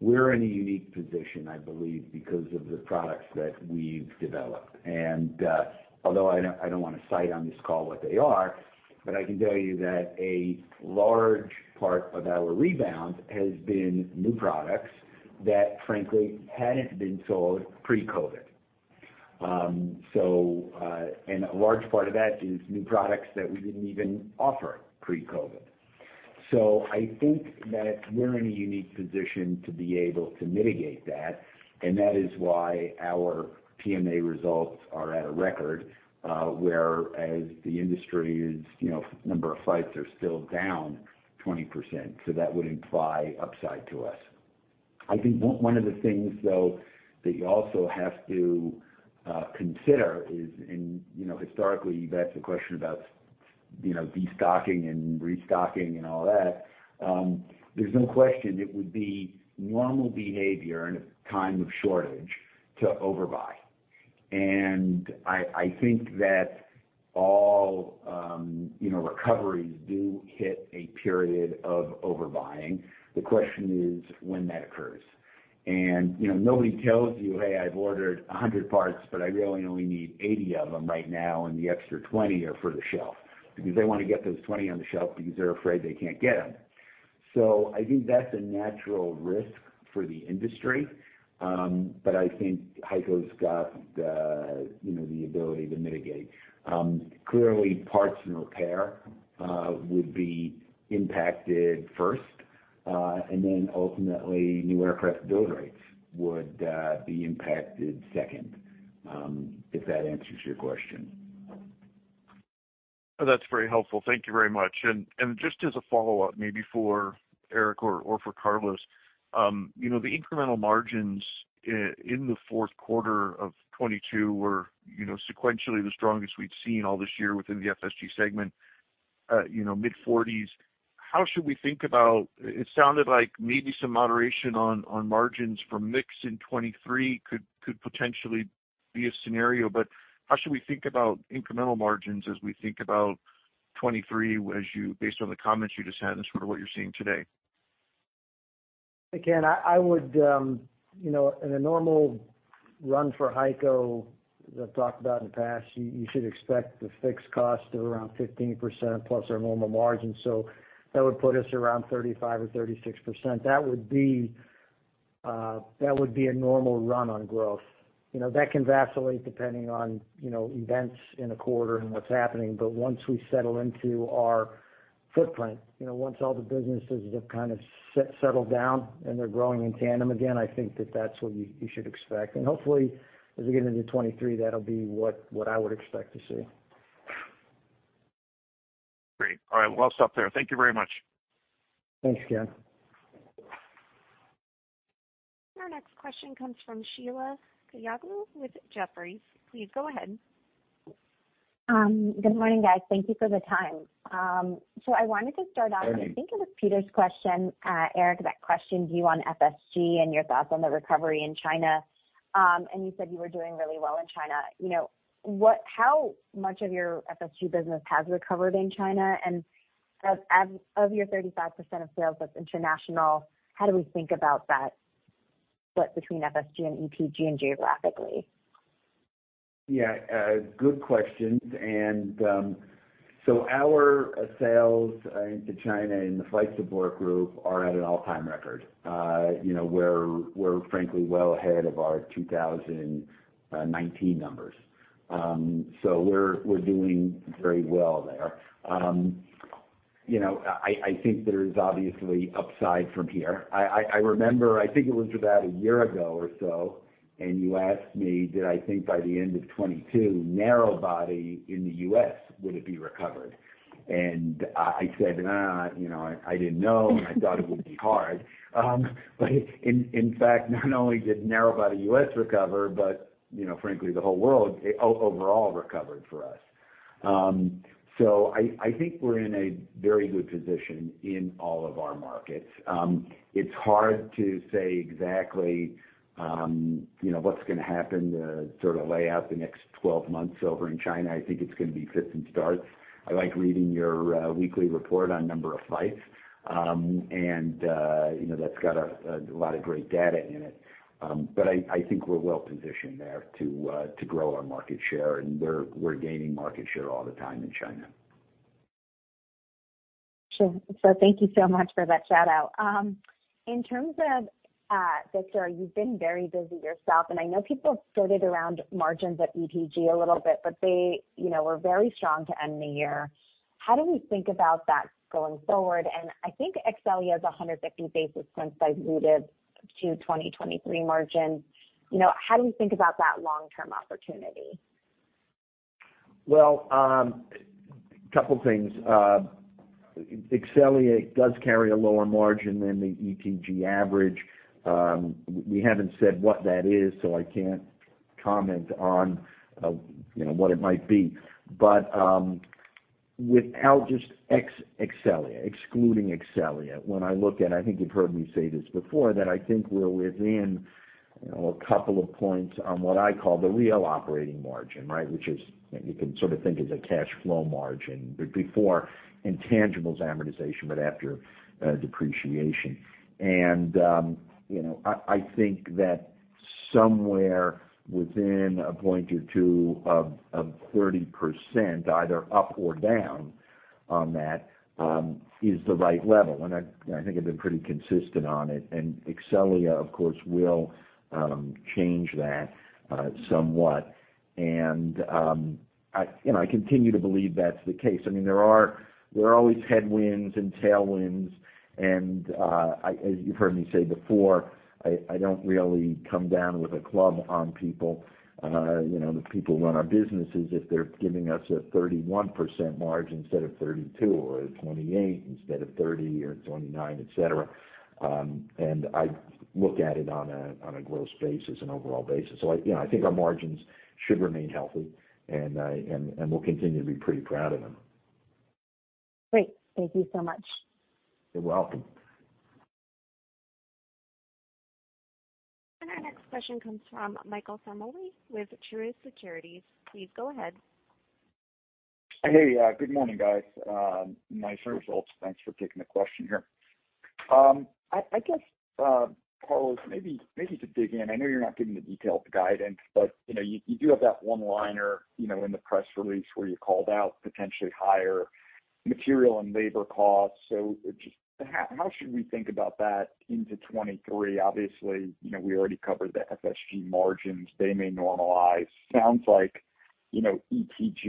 We're in a unique position, I believe, because of the products that we've developed. Although I don't wanna cite on this call what they are, but I can tell you that a large part of our rebound has been new products that frankly hadn't been sold pre-COVID. A large part of that is new products that we didn't even offer pre-COVID. I think that we're in a unique position to be able to mitigate that, and that is why our PMA results are at a record, whereas the industry's, you know, number of flights are still down 20%. That would imply upside to us. I think one of the things though that you also have to consider is, you know, historically, you've asked the question about, you know, destocking and restocking and all that. There's no question it would be normal behavior in a time of shortage to overbuy. I think that all, you know, recoveries do hit a period of overbuying. The question is when that occurs. You know, nobody tells you, "Hey, I've ordered 100 parts, but I really only need 80 of them right now, and the extra 20 are for the shelf." Because they wanna get those 20 on the shelf because they're afraid they can't get them. I think that's a natural risk for the industry. I think HEICO's got the, you know, the ability to mitigate. Clearly parts and repair would be impacted first, and then ultimately new aircraft build rates would be impacted second. If that answers your question. That's very helpful. Thank you very much. Just as a follow-up, maybe for Eric or for Carlos. You know, the incremental margins in the fourth quarter of 2022 were, you know, sequentially the strongest we'd seen all this year within the FSG segment, you know, mid-40s. How should we think about. It sounded like maybe some moderation on margins from mix in 2023 could potentially be a scenario. How should we think about incremental margins as we think about 2023, based on the comments you just had and sort of what you're seeing today? Again, I would, you know, in a normal run for HEICO, as I've talked about in the past, you should expect the fixed cost of around 15%+ our normal margin. That would put us around 35% or 36%. That would be a normal run on growth. You know, that can vacillate depending on, you know, events in a quarter and what's happening. Once we settle into our footprint, you know, once all the businesses have kind of settled down and they're growing in tandem again, I think that's what you should expect. Hopefully, as we get into 2023, that'll be what I would expect to see. Great. All right. Well, I'll stop there. Thank you very much. Thanks, Ken. Our next question comes from Sheila Kahyaoglu with Jefferies. Please go ahead. Good morning, guys. Thank you for the time. Morning. I think it was Peter Arment's question, Eric Mendelson, that questioned you on FSG and your thoughts on the recovery in China. You said you were doing really well in China. You know, how much of your FSG business has recovered in China? Of your 35% of sales that's international, how do we think about that split between FSG and ETG and geographically? Yeah, good questions. So our sales into China in the Flight Support Group are at an all-time record. You know, we're frankly well ahead of our 2019 numbers. We're doing very well there. You know, I think there's obviously upside from here. I remember, I think it was about a year ago or so, you asked me did I think by the end of 2022, narrow body in the U.S. would it be recovered. I said, "You know, I didn't know, and I thought it would be hard." In fact, not only did narrow body U.S. recover, but you know, frankly, the whole world overall recovered for us. I think we're in a very good position in all of our markets. It's hard to say exactly what's gonna happen to lay out the next 12 months over in China. I think it's gonna be fits and starts. I like reading your weekly report on number of flights. That's got a lot of great data in it. I think we're well positioned there to grow our market share, and we're gaining market share all the time in China. Sure. thank you so much for that shout-out. In terms of Victor, you've been very busy yourself, and I know people have flirted around margins at ETG a little bit, but they, you know, were very strong to end the year. How do we think about that going forward? I think Exxelia is 150 basis points diluted to 2023 margins. You know, how do we think about that long-term opportunity? Couple things. Exxelia does carry a lower margin than the ETG average. We haven't said what that is, so I can't comment on, you know, what it might be. Without just Exxelia, excluding Exxelia, when I look at, I think you've heard me say this before, that I think we're within, you know, two points on what I call the real operating margin, right? Which is, you know, you can sort of think as a cash flow margin, but before intangibles amortization, but after depreciation. You know, I think that-Somewhere within a point or two of 30%, either up or down on that, is the right level. I think I've been pretty consistent on it. Exxelia, of course, will change that somewhat. I, you know, I continue to believe that's the case. I mean, there are always headwinds and tailwinds and, as you've heard me say before, I don't really come down with a club on people. You know, the people who run our businesses, if they're giving us a 31% margin instead of 32 or a 28 instead of 30 or 29, et cetera. I look at it on a, on a growth space as an overall basis. I, you know, I think our margins should remain healthy and we'll continue to be pretty proud of them. Great. Thank you so much. You're welcome. Our next question comes from Michael Ciarmoli with Truist Securities. Please go ahead. Hey. Good morning, guys. Nice results. Thanks for taking the question here. I guess, Carlos, maybe to dig in. I know you're not giving the detailed guidance, but, you know, you do have that one-liner, you know, in the press release where you called out potentially higher material and labor costs. just how should we think about that into 2023? Obviously, you know, we already covered the FSG margins. They may normalize. Sounds like, you know, ETG,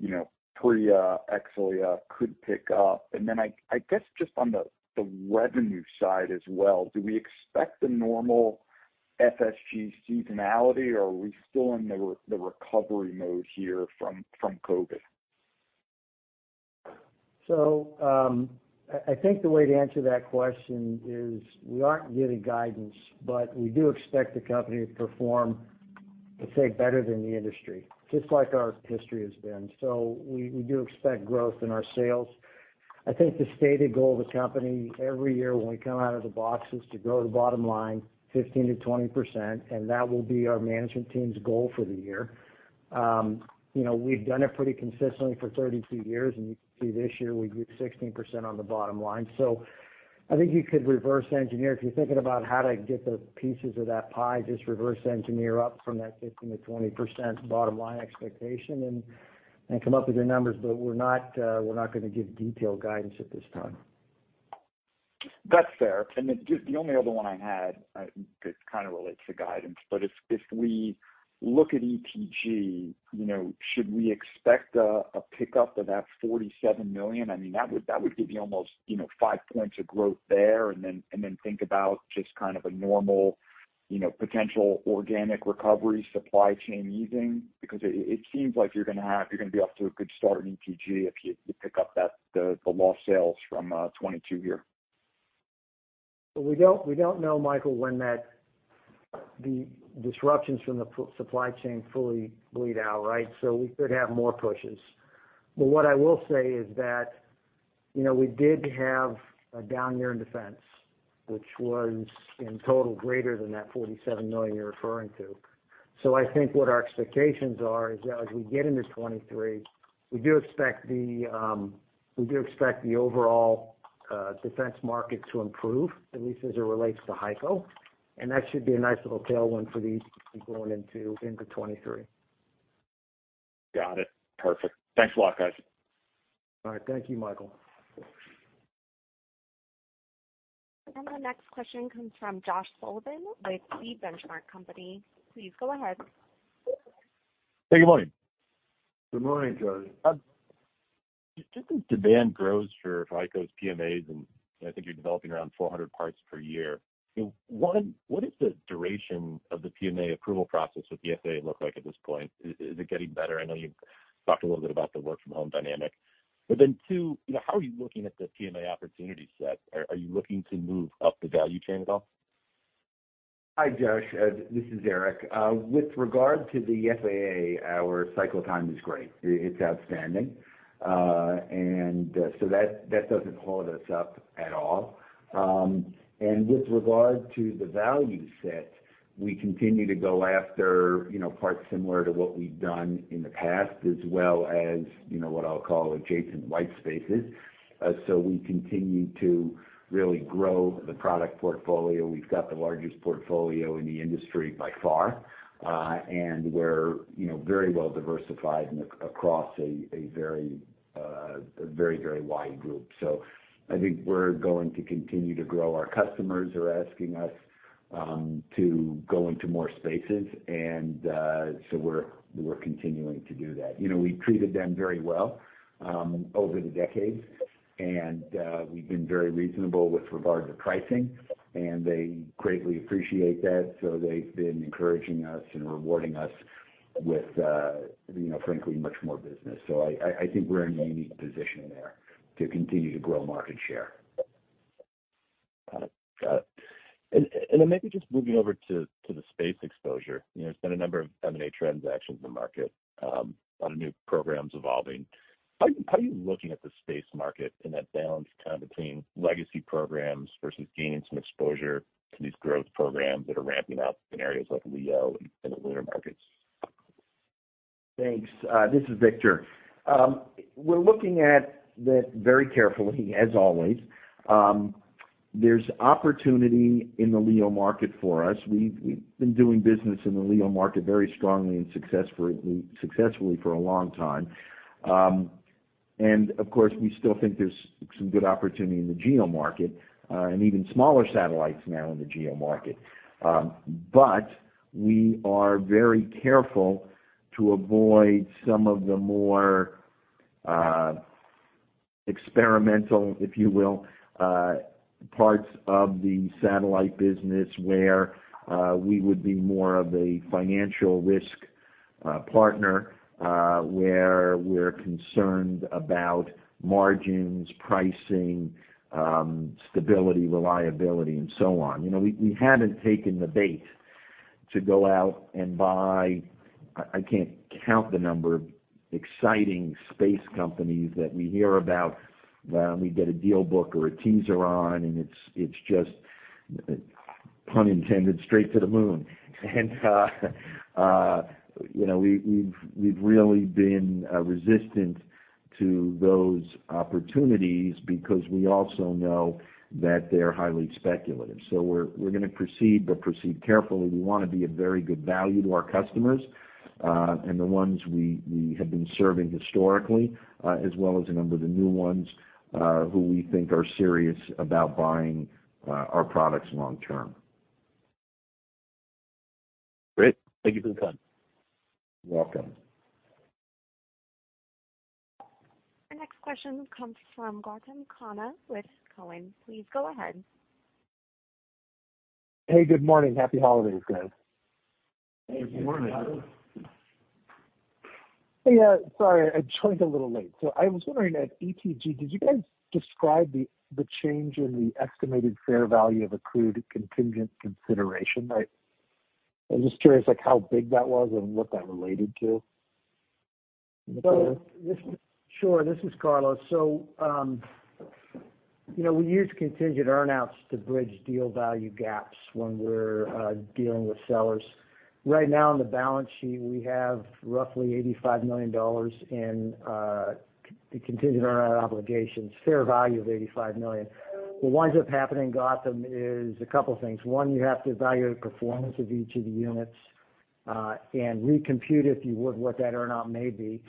you know, pre-Exxelia could pick up. I guess just on the revenue side as well, do we expect the normal FSG seasonality or are we still in the recovery mode here from COVID-19? I think the way to answer that question is we aren't giving guidance, we do expect the company to perform, let's say, better than the industry, just like our history has been. We do expect growth in our sales. I think the stated goal of the company every year when we come out of the box is to grow the bottom line 15%-20%, and that will be our management team's goal for the year. You know, we've done it pretty consistently for 32 years, and you can see this year we grew 16% on the bottom line. I think you could reverse engineer. If you're thinking about how to get the pieces of that pie, just reverse engineer up from that 15%-20% bottom line expectation and come up with your numbers. We're not gonna give detailed guidance at this time. That's fair. The only other one I had that kind of relates to guidance, but if we look at ETG, you know, should we expect a pickup of that $47 million? I mean, that would, that would give you almost, you know, five points of growth there and then, and then think about just kind of a normal, you know, potential organic recovery, supply chain easing. Because it seems like you're gonna be off to a good start in ETG if you pick up the lost sales from 2022 here. We don't know, Michael, when the disruptions from the supply chain fully bleed out, right? We could have more pushes. What I will say is that, you know, we did have a down year in defense, which was in total greater than that $47 million you're referring to. I think what our expectations are is that as we get into 2023, we do expect the overall defense market to improve, at least as it relates to HEICO, and that should be a nice little tailwind for these going into 2023. Got it. Perfect. Thanks a lot, guys. All right. Thank you, Michael. Our next question comes from Josh Sullivan with The Benchmark Company. Please go ahead. Hey, good morning. Good morning, Josh. Just as demand grows for HEICO's PMAs, I think you're developing around 400 parts per year, one, what is the duration of the PMA approval process with the FAA look like at this point? Is it getting better? I know you've talked a little bit about the work from home dynamic. Two, you know, how are you looking at the PMA opportunity set? Are you looking to move up the value chain at all? Hi, Josh. This is Eric. With regard to the FAA, our cycle time is great. It's outstanding. That doesn't hold us up at all. With regard to the value set, we continue to go after, you know, parts similar to what we've done in the past, as well as, you know, what I'll call adjacent white spaces. We continue to really grow the product portfolio. We've got the largest portfolio in the industry by far, and we're, you know, very well diversified across a very wide group. I think we're going to continue to grow. Our customers are asking us to go into more spaces and we're continuing to do that. You know, we treated them very well over the decades and we've been very reasonable with regard to pricing, and they greatly appreciate that, so they've been encouraging us and rewarding us with, you know, frankly, much more business. I think we're in a unique position there to continue to grow market share. Got it. Got it. Then maybe just moving over to the space exposure. You know, there's been a number of M&A transactions in the market, a lot of new programs evolving. How are you looking at the space market and that balance kind of between legacy programs versus gaining some exposure to these growth programs that are ramping up in areas like LEO and the lunar markets? Thanks. This is Victor. We're looking at that very carefully as always. There's opportunity in the LEO market for us. We've been doing business in the LEO market very strongly and successfully for a long time. We still think there's some good opportunity in the GEO market, and even smaller satellites now in the GEO market. We are very careful to avoid some of the more experimental, if you will, parts of the satellite business where we would be more of a financial risk partner, where we're concerned about margins, pricing, stability, reliability, and so on. You know, we haven't taken the bait to go out and buy. I can't count the number of exciting space companies that we hear about when we get a deal book or a teaser on, and it's just, pun intended, straight to the moon. You know, we've really been resistant to those opportunities because we also know that they're highly speculative. We're gonna proceed, but proceed carefully. We wanna be a very good value to our customers and the ones we have been serving historically, as well as a number of the new ones who we think are serious about buying our products long term. Great. Thank you for the time. You're welcome. Our next question comes from Gautam Khanna with Cowen. Please go ahead. Hey, good morning. Happy holidays, guys. Hey, good morning. Hey, sorry, I joined a little late. I was wondering at ETG, could you guys describe the change in the estimated fair value of accrued contingent consideration? I'm just curious, like how big that was and what that related to. Sure. This is Carlos. You know, we use contingent earn-outs to bridge deal value gaps when we're dealing with sellers. Right now on the balance sheet, we have roughly $85 million in contingent earn-out obligations, fair value of $85 million. What winds up happening, Gautam, is a couple things. One, you have to evaluate the performance of each of the units and recompute, if you would, what that earn-out may be.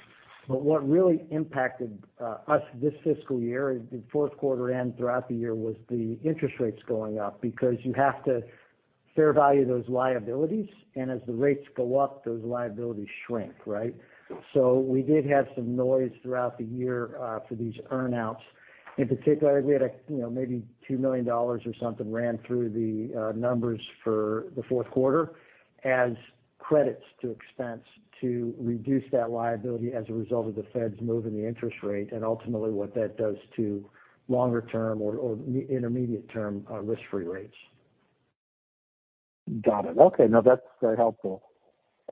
What really impacted us this fiscal year, the fourth quarter and throughout the year, was the interest rates going up because you have to fair value those liabilities, and as the rates go up, those liabilities shrink, right? We did have some noise throughout the year for these earn-outs. In particular, we had a, you know, maybe $2 million or something ran through the numbers for the fourth quarter as credits to expense to reduce that liability as a result of the Feds moving the interest rate and ultimately what that does to longer-term or intermediate-term risk-free rates. Got it. Okay. No, that's very helpful.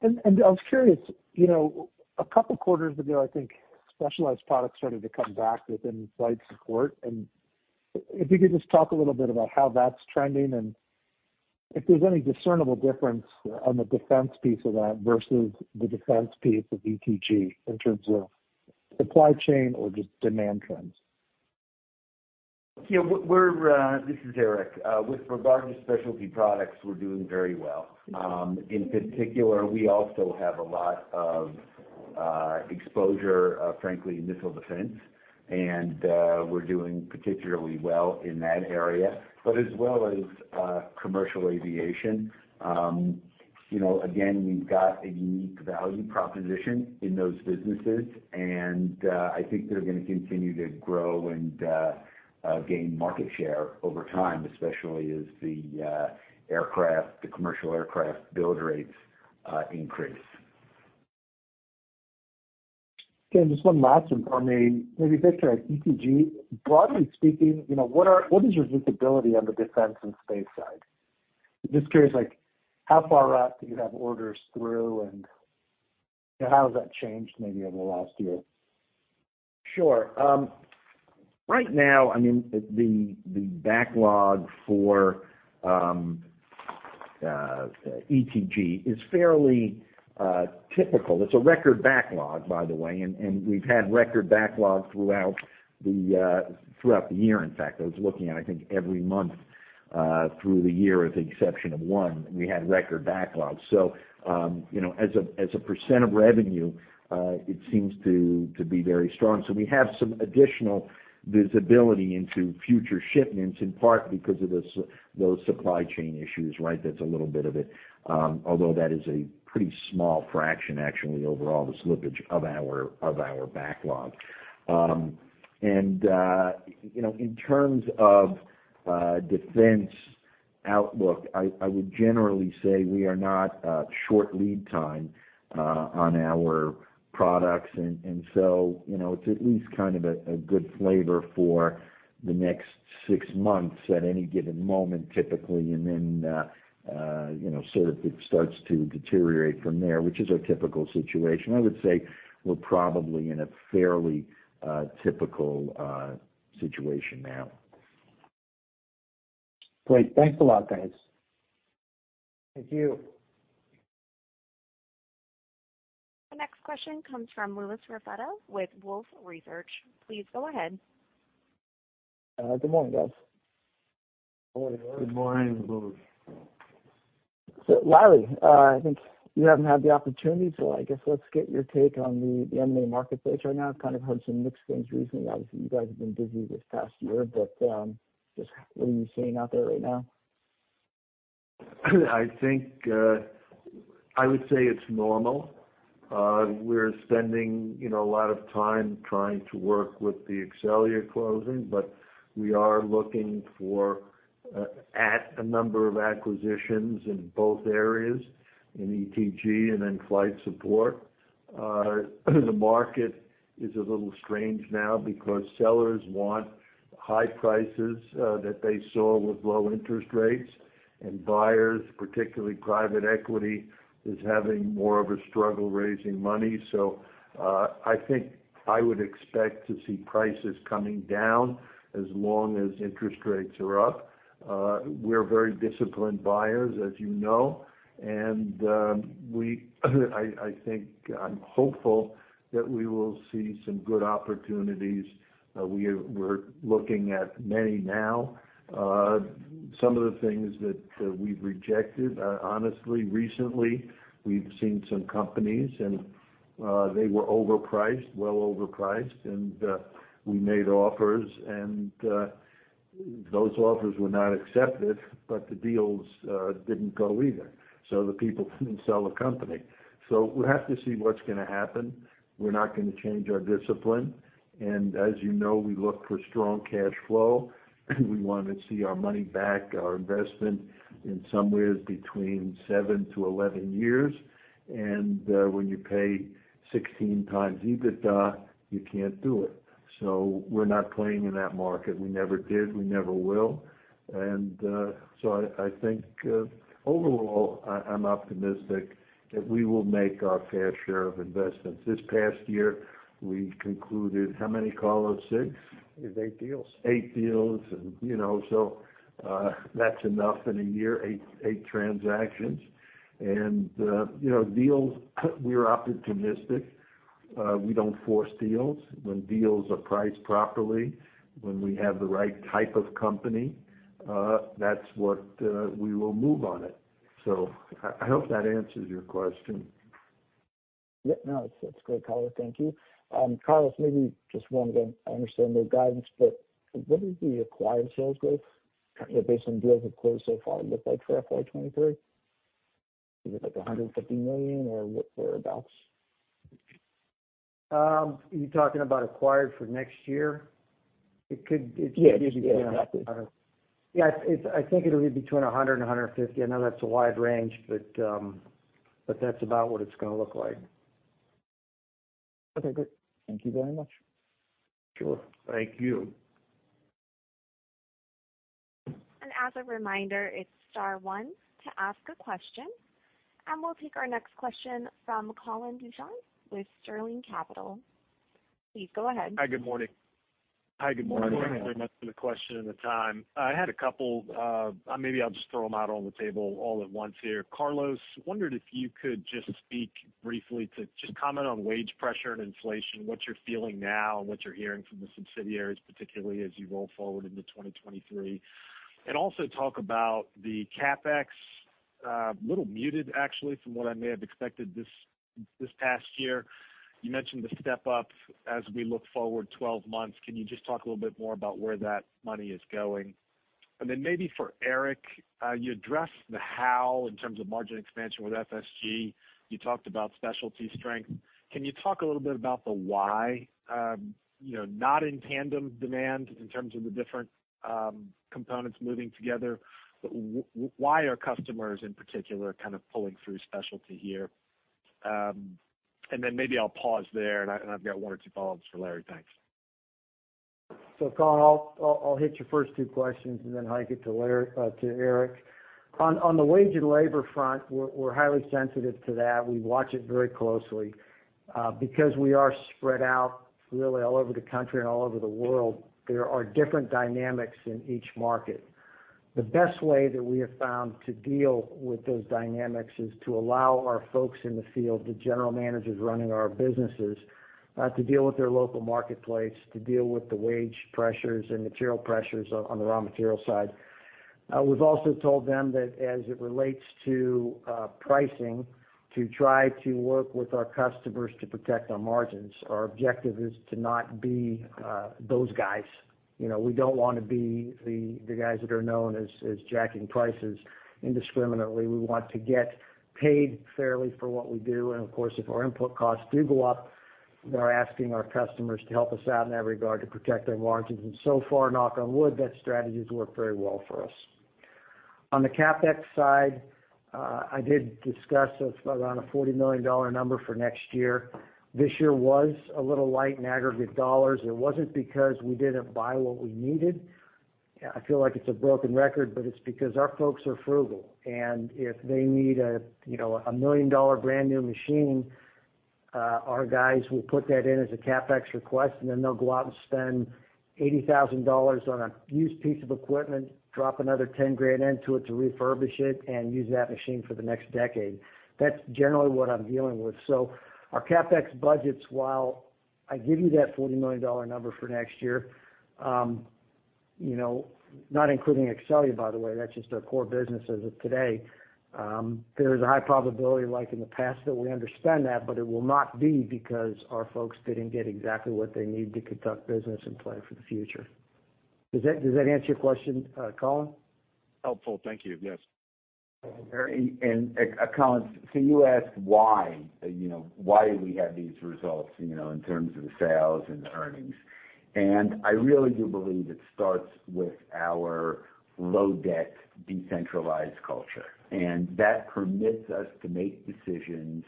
I was curious, you know, a couple quarters ago, I think specialized products started to come back within Flight Support. If you could just talk a little bit about how that's trending and if there's any discernible difference on the defense piece of that versus the defense piece of ETG in terms of supply chain or just demand trends? Yeah. We're, this is Eric. With regard to specialty products, we're doing very well. In particular, we also have a lot of exposure, frankly, in missile defense, and we're doing particularly well in that area, but as well as commercial aviation. You know, again, we've got a unique value proposition in those businesses, and I think they're gonna continue to grow and gain market share over time, especially as the aircraft, the commercial aircraft build rates, increase. Okay. Just one last one for me. Maybe, Victor, at ETG, broadly speaking, you know, what is your visibility on the defense and space side? I'm just curious, like, how far out do you have orders through, and how has that changed maybe over the last year? Sure. Right now, the backlog for ETG is fairly typical. It's a record backlog, by the way. We've had record backlog throughout the year, in fact. I was looking at, I think, every month through the year at the exception of one, we had record backlogs. As a percent of revenue, it seems to be very strong. We have some additional visibility into future shipments, in part because of those supply chain issues, right? That's a little bit of it. Although that is a pretty small fraction, actually, overall, the slippage of our backlog. In terms of a defense outlook, I would generally say we are not a short lead time on our products. You know, it's at least kind of a good flavor for the next six months at any given moment, typically. Then, you know, sort of it starts to deteriorate from there, which is our typical situation. I would say we're probably in a fairly typical situation now. Great. Thanks a lot, guys. Thank you. The next question comes from Louis Raffetto with Wolfe Research. Please go ahead. Good morning, guys. Morning, Lewis. Good morning, Louis. Larry, I think you haven't had the opportunity, so I guess let's get your take on the M&A marketplace right now. I've kind of heard some mixed things recently. Obviously, you guys have been busy this past year, but just what are you seeing out there right now? I think, I would say it's normal. We're spending, you know, a lot of time trying to work with the Exxelia closing, but we are looking for, at a number of acquisitions in both areas, in ETG and in Flight Support. The market is a little strange now because sellers want high prices, that they saw with low interest rates. Buyers, particularly private equity, is having more of a struggle raising money. I think I would expect to see prices coming down as long as interest rates are up. We're very disciplined buyers, as you know, and I think I'm hopeful that we will see some good opportunities. We're looking at many now. Some of the things that we've rejected, honestly, recently, we've seen some companies and they were overpriced. We made offers and those offers were not accepted, but the deals didn't go either, the people couldn't sell the company. We have to see what's gonna happen. We're not gonna change our discipline. As you know, we look for strong cash flow. We wanna see our money back, our investment in somewhere between seven to 11 years. When you pay 16x EBITDA, you can't do it. We're not playing in that market. We never did, we never will. I think, overall, I'm optimistic that we will make our fair share of investments. This past year, we concluded how many, Carlos, six? It was eight deals. 8 deals, you know, so that's enough in a year, eight transactions. You know, deals, we're opportunistic. We don't force deals. When deals are priced properly, when we have the right type of company, that's what we will move on it. I hope that answers your question. Yeah, no, it's great, Carlos, thank you. Carlos, maybe just one again, I understand the guidance, but what does the acquired sales growth, you know, based on deals that closed so far look like for FY 23? Is it like $150 million or what thereabouts? Are you talking about acquired for next year? Yes. Yes, exactly. It could be between about. Yeah, I think it'll be between $100 and $150. I know that's a wide range, but that's about what it's gonna look like. Okay, great. Thank you very much. Sure. Thank you. As a reminder, it's star one to ask a question. We'll take our next question from Colin Ducharme with Sterling Capital. Please go ahead. Hi, good morning. Morning. Good morning. Thanks very much for the question and the time. I had a couple, maybe I'll just throw them out on the table all at once here. Carlos, wondered if you could just speak briefly to just comment on wage pressure and inflation, what you're feeling now and what you're hearing from the subsidiaries, particularly as you roll forward into 2023. Also talk about the CapEx, a little muted actually from what I may have expected this past year. You mentioned the step up as we look forward 12 months. Can you just talk a little bit more about where that money is going? Then maybe for Eric, you addressed the how in terms of margin expansion with FSG. You talked about specialty strength. Can you talk a little bit about the why? You know, not in tandem demand in terms of the different components moving together, but why are customers in particular kind of pulling through specialty here? Maybe I'll pause there, and I, and I've got one or two follow-ups for Larry. Thanks. Colin, I'll hit your first two questions and then hike it to Eric. On the wage and labor front, we're highly sensitive to that. We watch it very closely. Because we are spread out really all over the country and all over the world, there are different dynamics in each market. The best way that we have found to deal with those dynamics is to allow our folks in the field, the general managers running our businesses, to deal with their local marketplace, to deal with the wage pressures and material pressures on the raw material side. We've also told them that as it relates to pricing, to try to work with our customers to protect our margins. Our objective is to not be those guys. You know, we don't wanna be the guys that are known as jacking prices indiscriminately. We want to get paid fairly for what we do. Of course, if our input costs do go up, we're asking our customers to help us out in that regard to protect our margins. So far, knock on wood, that strategy's worked very well for us. On the CapEx side, I did discuss around a $40 million number for next year. This year was a little light in aggregate dollars. It wasn't because we didn't buy what we needed. I feel like it's a broken record, but it's because our folks are frugal. If they need a, you know, a $1 million brand-new machine, our guys will put that in as a CapEx request, and then they'll go out and spend $80,000 on a used piece of equipment, drop another $10,000 into it to refurbish it and use that machine for the next decade. That's generally what I'm dealing with. Our CapEx budgets, while I give you that $40 million number for next year, you know, not including Exxelia, by the way, that's just our core business as of today, there's a high probability, like in the past, that we understand that, but it will not be because our folks didn't get exactly what they need to conduct business and plan for the future. Does that answer your question, Colin? Helpful. Thank you. Yes. Colin, so you asked why, you know, why do we have these results, you know, in terms of the sales and the earnings. I really do believe it starts with our low-debt, decentralized culture, and that permits us to make decisions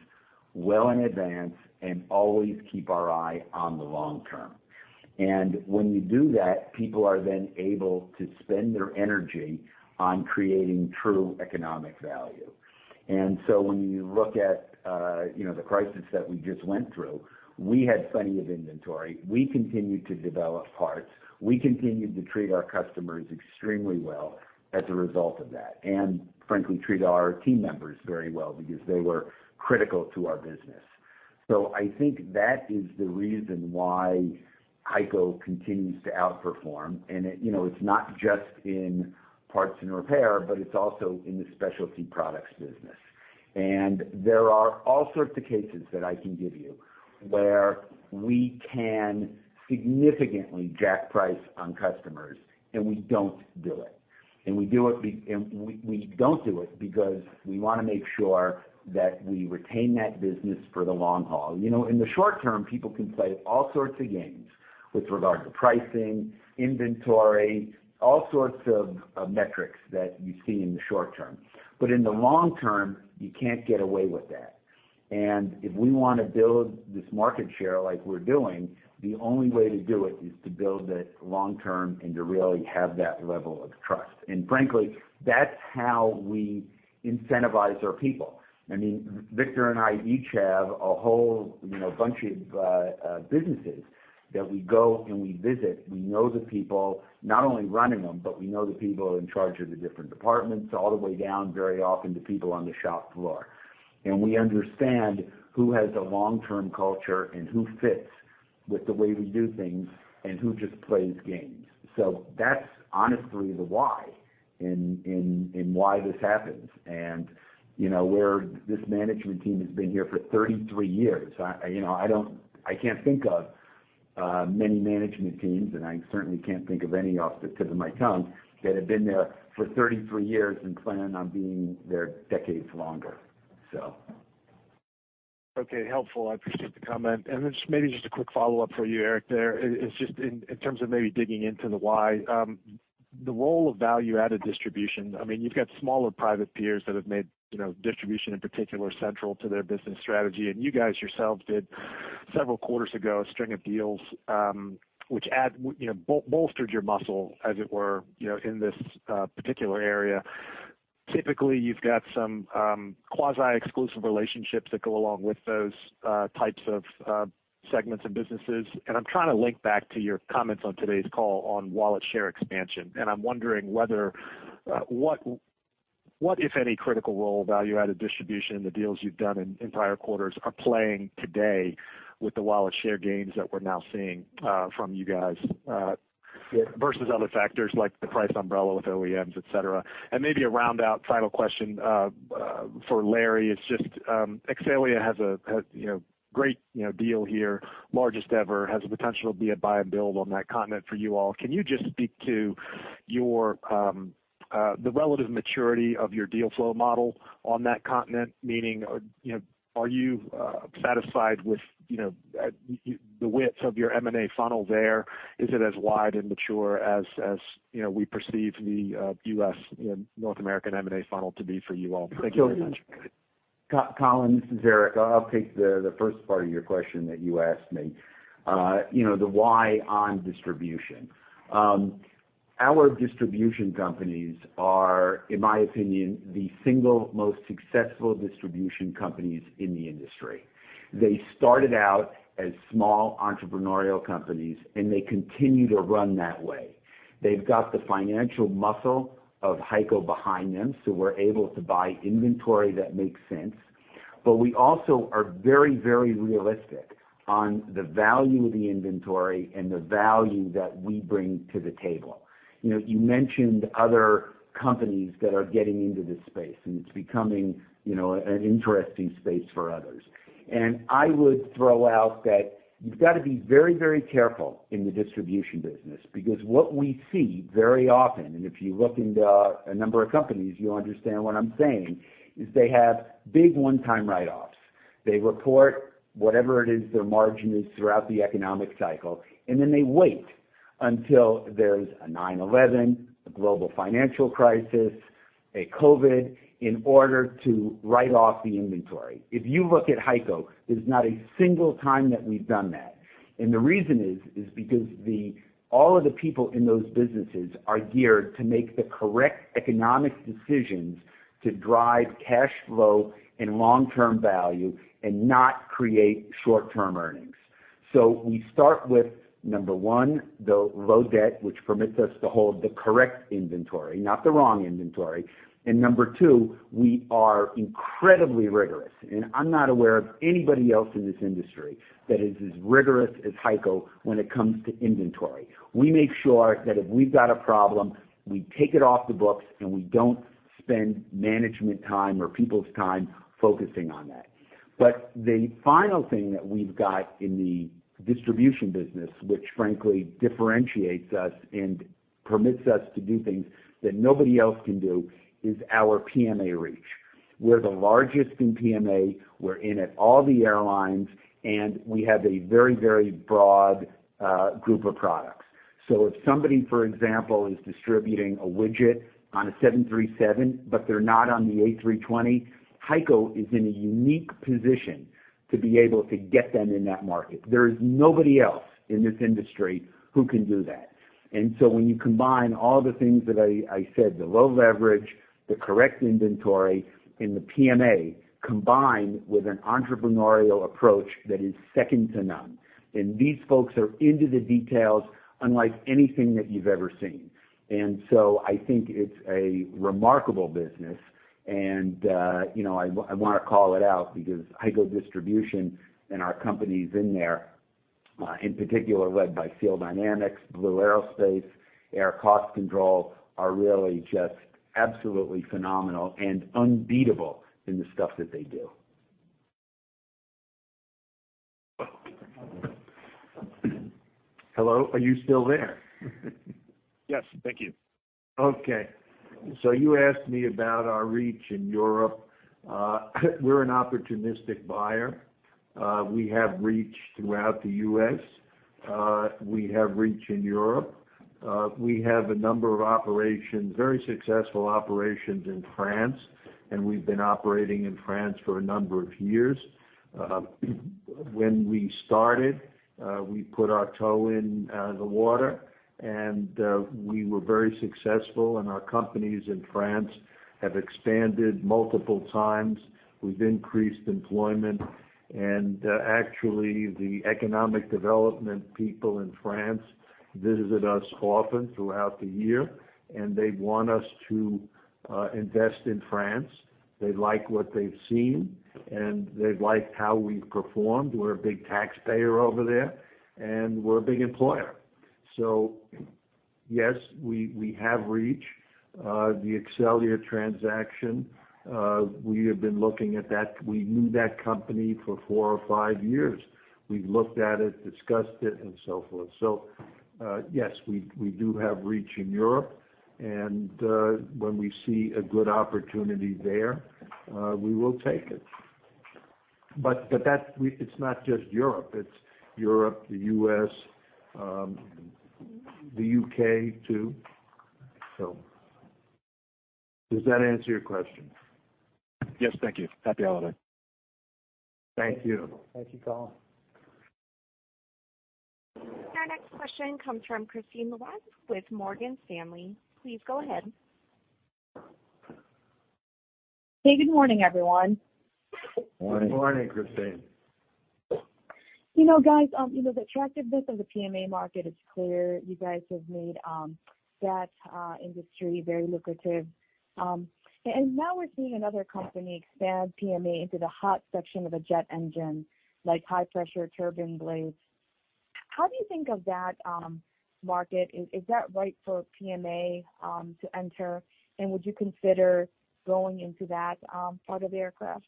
well in advance and always keep our eye on the long term. When you do that, people are then able to spend their energy on creating true economic value. So when you look at, you know, the crisis that we just went through, we had plenty of inventory. We continued to develop parts. We continued to treat our customers extremely well as a result of that, and frankly, treat our team members very well because they were critical to our business. I think that is the reason why HEICO continues to outperform. It, you know, it's not just in parts and repair, but it's also in the specialty products business. There are all sorts of cases that I can give you where we can significantly jack price on customers, and we don't do it. We don't do it because we wanna make sure that we retain that business for the long haul. You know, in the short term, people can play all sorts of games with regard to pricing, inventory, all sorts of metrics that you see in the short term. In the long term, you can't get away with that. If we wanna build this market share like we're doing, the only way to do it is to build it long term and to really have that level of trust. Frankly, that's how we incentivize our people. I mean, Victor and I each have a whole, you know, bunch of businesses that we go and we visit. We know the people not only running them, but we know the people in charge of the different departments all the way down, very often, to people on the shop floor. We understand who has a long-term culture and who fits with the way we do things and who just plays games. That's honestly the why in, in why this happens. You know, this management team has been here for 33 years. I don't I can't think of many management teams, and I certainly can't think of any off the tip of my tongue, that have been there for 33 years and plan on being there decades longer, so. Okay. Helpful. I appreciate the comment. Then just maybe just a quick follow-up for you, Eric, there. It's just in terms of maybe digging into the why. The role of value-added distribution, I mean, you've got smaller private peers that have made, you know, distribution in particular central to their business strategy. You guys yourselves did several quarters ago a string of deals, which add, you know, bolstered your muscle, as it were, you know, in this particular area. Typically, you've got some quasi-exclusive relationships that go along with those types of segments and businesses. I'm trying to link back to your comments on today's call on wallet share expansion. I'm wondering whether what, if any, critical role value-added distribution and the deals you've done in entire quarters are playing today with the wallet share gains that we're now seeing from you guys? Yeah Versus other factors like the price umbrella with OEMs, et cetera. Maybe a round out final question for Larry. It's just, Exxelia has a, you know, great, you know, deal here, largest ever, has the potential to be a buy and build on that continent for you all. Can you just speak to your the relative maturity of your deal flow model on that continent? Meaning, you know, are you satisfied with, you know, the width of your M&A funnel there? Is it as wide and mature as, you know, we perceive the U.S. and North American M&A funnel to be for you all? Thank you very much. Colin, this is Eric. I'll take the first part of your question that you asked me, you know, the why on distribution. Our distribution companies are, in my opinion, the single most successful distribution companies in the industry. They started out as small entrepreneurial companies, and they continue to run that way. They've got the financial muscle of HEICO behind them, so we're able to buy inventory that makes sense. But we also are very, very realistic on the value of the inventory and the value that we bring to the table. You know, you mentioned other companies that are getting into this space, and it's becoming, you know, an interesting space for others. I would throw out that you've got to be very, very careful in the distribution business because what we see very often, and if you look into a number of companies, you'll understand what I'm saying, is they have big one-time write-offs. They report whatever it is their margin is throughout the economic cycle, and then they wait until there's a 9/11, a global financial crisis, a COVID-19, in order to write off the inventory. If you look at HEICO, there's not a single time that we've done that. The reason is because all of the people in those businesses are geared to make the correct economic decisions to drive cash flow and long-term value and not create short-term earnings. So we start with, number one, the low debt, which permits us to hold the correct inventory, not the wrong inventory. Number two, we are incredibly rigorous, and I'm not aware of anybody else in this industry that is as rigorous as HEICO when it comes to inventory. We make sure that if we've got a problem, we take it off the books, and we don't spend management time or people's time focusing on that. The final thing that we've got in the distribution business, which frankly differentiates us and permits us to do things that nobody else can do, is our PMA reach. We're the largest in PMA. We're in at all the airlines, and we have a very, very broad group of products. If somebody, for example, is distributing a widget on a 737, but they're not on the A320, HEICO is in a unique position to be able to get them in that market. There's nobody else in this industry who can do that. When you combine all the things that I said, the low leverage, the correct inventory, and the PMA, combined with an entrepreneurial approach that is second to none. These folks are into the details unlike anything that you've ever seen. I think it's a remarkable business, and, you know, I wanna call it out because HEICO Distribution and our companies in there, in particular led by Seal Dynamics, Blue Aerospace, Air Cost Control, are really just absolutely phenomenal and unbeatable in the stuff that they do. Hello? Are you still there? Yes. Thank you. Okay. You asked me about our reach in Europe. We're an opportunistic buyer. We have reach throughout the U.S. We have reach in Europe. We have a number of operations, very successful operations in France, and we've been operating in France for a number of years. When we started, we put our toe in the water, and we were very successful, and our companies in France have expanded multiple times. We've increased employment. Actually, the economic development people in France visited us often throughout the year, and they want us to invest in France. They like what they've seen. They've liked how we've performed. We're a big taxpayer over there, and we're a big employer. Yes, we have reach. The Exxelia transaction, we have been looking at that. We knew that company for four or five years. We've looked at it, discussed it, and so forth. Yes, we do have reach in Europe, and when we see a good opportunity there, we will take it. It's not just Europe. It's Europe, the U.S., the U.K. too. Does that answer your question? Yes. Thank you. Happy holiday. Thank you. Thank you, Colin. Our next question comes from Kristine Liwag with Morgan Stanley. Please go ahead. Hey, good morning, everyone. Good morning. Good morning, Kristine. You know, guys, you know, the attractiveness of the PMA market is clear. You guys have made that industry very lucrative. Now we're seeing another company expand PMA into the hot section of a jet engine, like high pressure turbine blades. How do you think of that market? Is that right for PMA to enter, and would you consider going into that part of the aircraft?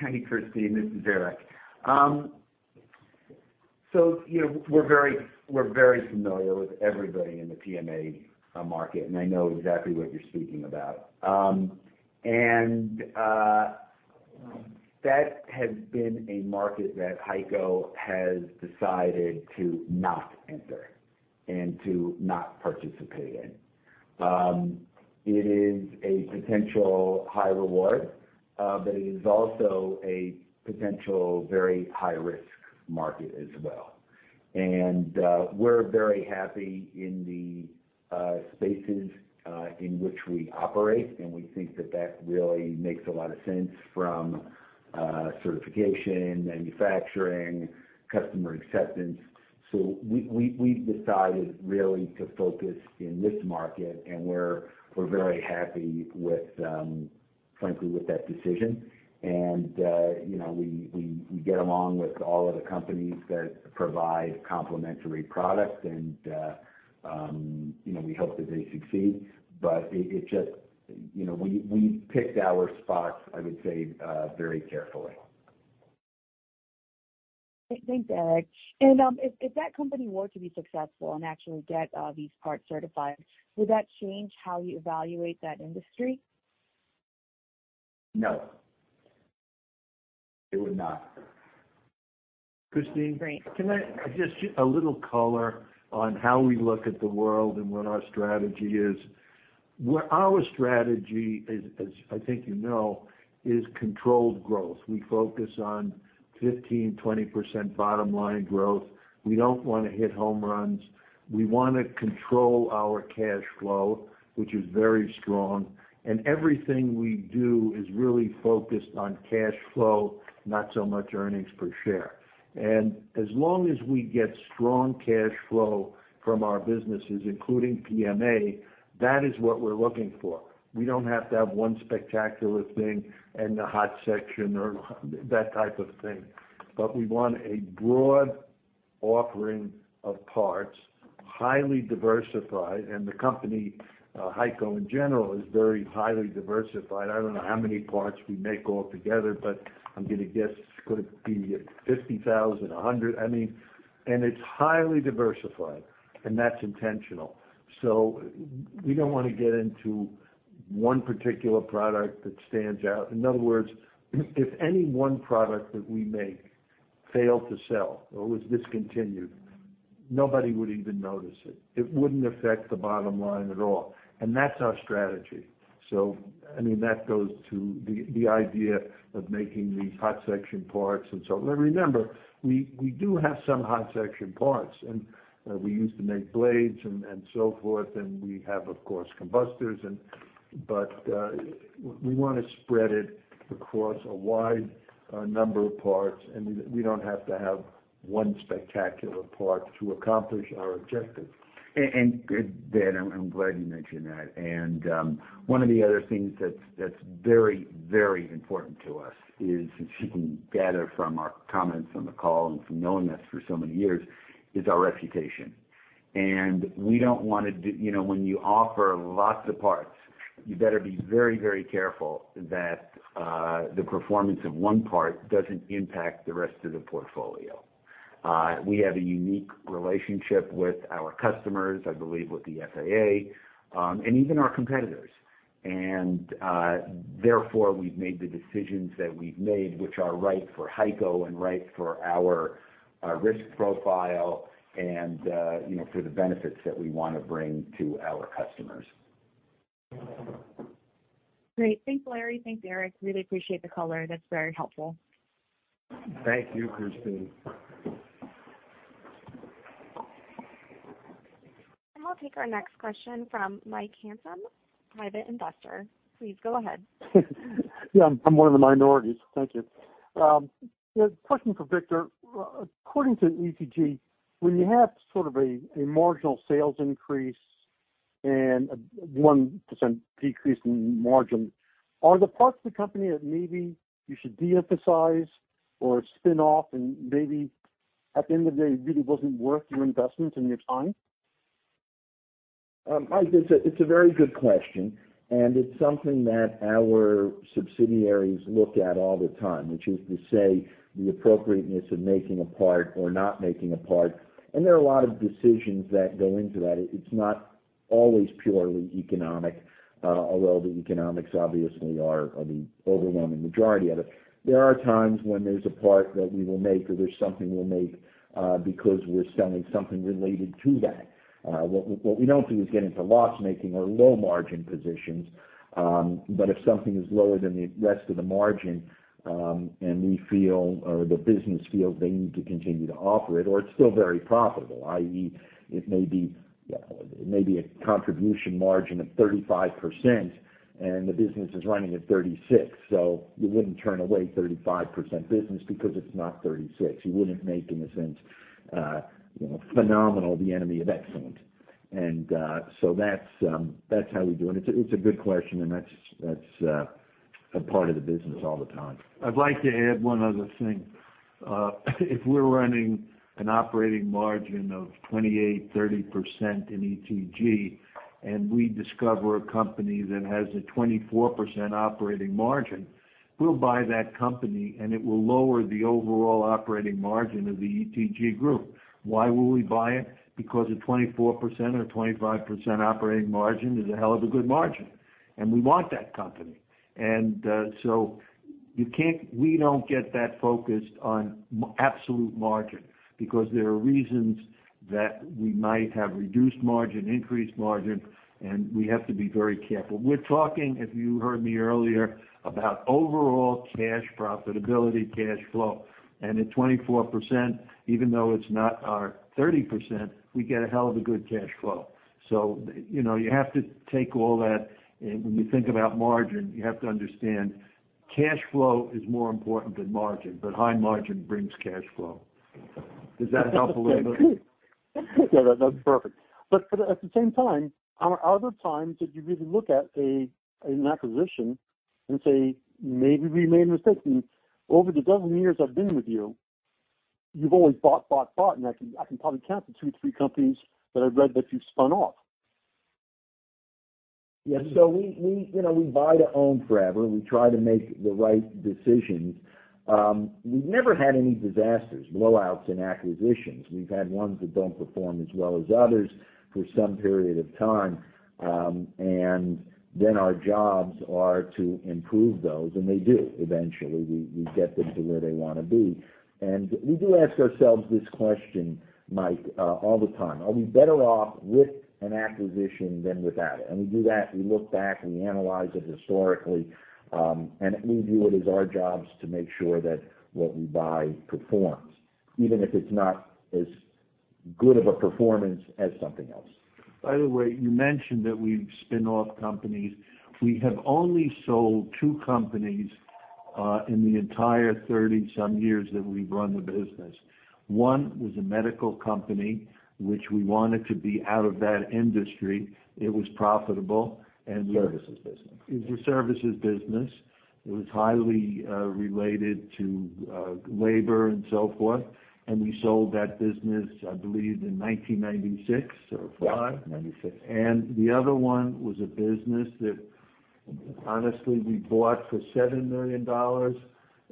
Hi, Kristine Liwag. This is Eric Mendelson. You know, we're very familiar with everybody in the PMA market, and I know exactly what you're speaking about. That has been a market that HEICO has decided to not enter and to not participate in. It is a potential high reward, but it is also a potential very high-risk market as well. We're very happy in the spaces in which we operate, and we think that that really makes a lot of sense from certification, manufacturing, customer acceptance. We've decided really to focus in this market, and we're very happy with, frankly, with that decision. You know, we get along with all of the companies that provide complementary products, and, you know, we hope that they succeed. It just, you know, we picked our spots, I would say, very carefully. Thanks, Eric Mendelson. If that company were to be successful and actually get these parts certified, would that change how you evaluate that industry? No. It would not. Kristine, can I just shoot a little color on how we look at the world and what our strategy is? What our strategy is, as I think you know, is controlled growth. We focus on 15%-20% bottom line growth. We don't wanna hit home runs. We wanna control our cash flow, which is very strong. Everything we do is really focused on cash flow, not so much earnings per share. As long as we get strong cash flow from our businesses, including PMA, that is what we're looking for. We don't have to have one spectacular thing in the hot section or that type of thing. We want a broad offering of parts, highly diversified, and the company, HEICO in general, is very highly diversified. I don't know how many parts we make altogether, but I'm gonna guess could be 50,000, 100. I mean, and it's highly diversified, and that's intentional. We don't wanna get into one particular product that stands out. In other words, if any one product that we make failed to sell or was discontinued, nobody would even notice it. It wouldn't affect the bottom line at all, and that's our strategy. I mean, that goes to the idea of making these hot section parts and so on. Remember, we do have some hot section parts, and we used to make blades and so forth, and we have, of course, combustors and... We wanna spread it across a wide number of parts, and we don't have to have one spectacular part to accomplish our objective. Good, I'm glad you mentioned that. One of the other things that's very, very important to us is, as you can gather from our comments on the call and from knowing us for so many years, is our reputation. We don't wanna. You know, when you offer lots of parts, you better be very, very careful that the performance of one part doesn't impact the rest of the portfolio. We have a unique relationship with our customers, I believe, with the FAA, and even our competitors. Therefore, we've made the decisions that we've made, which are right for HEICO and right for our risk profile and, you know, for the benefits that we wanna bring to our customers. Great. Thanks, Larry. Thanks, Eric. Really appreciate the color. That's very helpful. Thank you, Kristine. I'll take our next question from Mike Hanson, private investor. Please go ahead. Yeah, I'm one of the minorities. Thank you. Question for Victor. According to ETG, when you have sort of a marginal sales increase and a 1% decrease in margin, are there parts of the company that maybe you should de-emphasize or spin-off, and maybe at the end of the day, it really wasn't worth your investment and your time? Mike, it's a very good question, and it's something that our subsidiaries look at all the time, which is to say the appropriateness of making a part or not making a part. There are a lot of decisions that go into that. It's not always purely economic, although the economics obviously are the overwhelming majority of it. There are times when there's a part that we will make or there's something we'll make, because we're selling something related to that. What we don't do is get into loss-making or low-margin positions. If something is lower than the rest of the margin, and we feel or the business feel they need to continue to offer it or it's still very profitable, i.e., it may be, it may be a contribution margin of 35% and the business is running at 36%, so you wouldn't turn away 35% business because it's not 36%. You wouldn't make, in a sense, you know, phenomenal the enemy of excellent. So that's how we do it. It's a, it's a good question, and that's, a part of the business all the time. I'd like to add one other thing. If we're running an operating margin of 28%, 30% in ETG, and we discover a company that has a 24% operating margin, we'll buy that company, and it will lower the overall operating margin of the ETG group. Why will we buy it? Because a 24% or 25% operating margin is a hell of a good margin, and we want that company. We don't get that focused on absolute margin because there are reasons that we might have reduced margin, increased margin, and we have to be very careful. We're talking, if you heard me earlier, about overall cash profitability, cash flow. At 24%, even though it's not our 30%, we get a hell of a good cash flow. You know, you have to take all that. When you think about margin, you have to understand cash flow is more important than margin, but high margin brings cash flow. Does that help a little bit? Yeah, that's perfect. At the same time, are there times that you really look at an acquisition and say, maybe we made a mistake? Over the 12 years I've been with you've always bought, bought, and I can probably count the two, three companies that I've read that you've spun off. Yeah. We, you know, we buy to own forever. We try to make the right decisions. We've never had any disasters, blowouts in acquisitions. We've had ones that don't perform as well as others for some period of time, and then our jobs are to improve those, and they do eventually. We get them to where they wanna be. We do ask ourselves this question, Mike, all the time: Are we better off with an acquisition than without it? We do that, we look back, and we analyze it historically, and we view it as our jobs to make sure that what we buy performs, even if it's not as good of a performance as something else. By the way, you mentioned that we've spin-off companies. We have only sold two companies, in the entire 30 some years that we've run the business. One was a medical company, which we wanted to be out of that industry. It was profitable, and- Services business. It was a services business. It was highly related to labor and so forth. We sold that business, I believe, in 1996 or 1995. Yeah, 96. The other one was a business that, honestly, we bought for $7 million,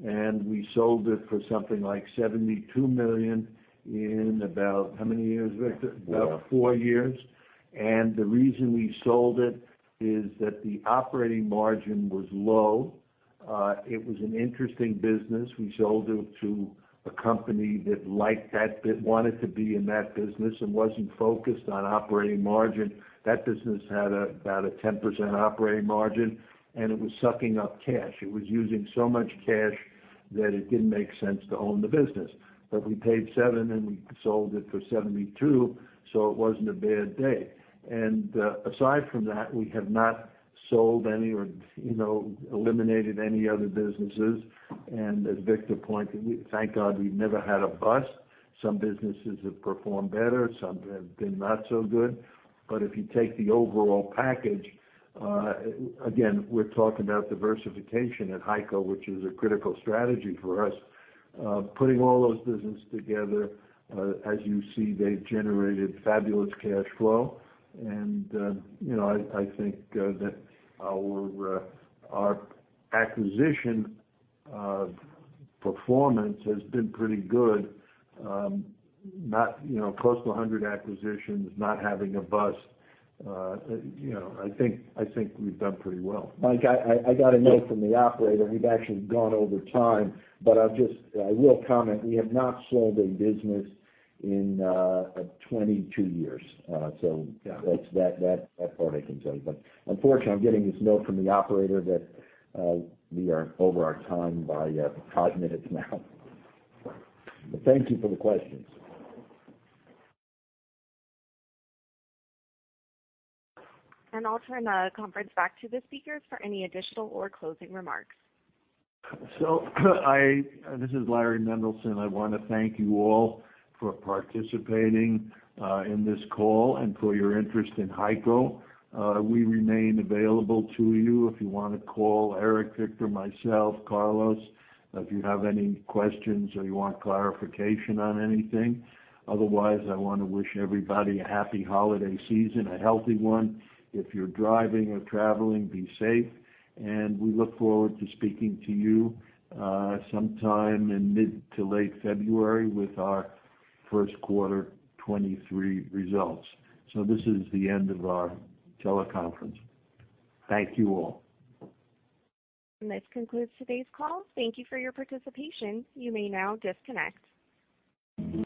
and we sold it for something like $72 million in about how many years, Victor? Four. About four years. The reason we sold it is that the operating margin was low. It was an interesting business. We sold it to a company that liked that wanted to be in that business and wasn't focused on operating margin. That business had about a 10% operating margin, and it was sucking up cash. It was using so much cash that it didn't make sense to own the business. We paid $7, and we sold it for $72, so it wasn't a bad day. Aside from that, we have not sold any or, you know, eliminated any other businesses. As Victor Mendelson pointed, we thank God, we've never had a bust. Some businesses have performed better, some have been not so good. If you take the overall package, again, we're talking about diversification at HEICO, which is a critical strategy for us. Putting all those business together, as you see, they've generated fabulous cash flow. You know, I think that our acquisition performance has been pretty good. Not, you know, close to 100 acquisitions, not having a bust, you know, I think we've done pretty well. Mike, I got a note from the operator. We've actually gone over time, but I will comment, we have not sold a business in 22 years. Yeah. That's that part I can tell you. Unfortunately, I'm getting this note from the operator that we are over our time by five minutes now. Thank you for the questions. I'll turn the conference back to the speakers for any additional or closing remarks. This is Larry Mendelson. I wanna thank you all for participating in this call and for your interest in HEICO. We remain available to you if you wanna call Eric, Victor, myself, Carlos, if you have any questions or you want clarification on anything. Otherwise, I wanna wish everybody a happy holiday season, a healthy one. If you're driving or traveling, be safe. We look forward to speaking to you sometime in mid to late February with our first quarter 2023 results. This is the end of our teleconference. Thank you all. This concludes today's call. Thank you for your participation. You may now disconnect.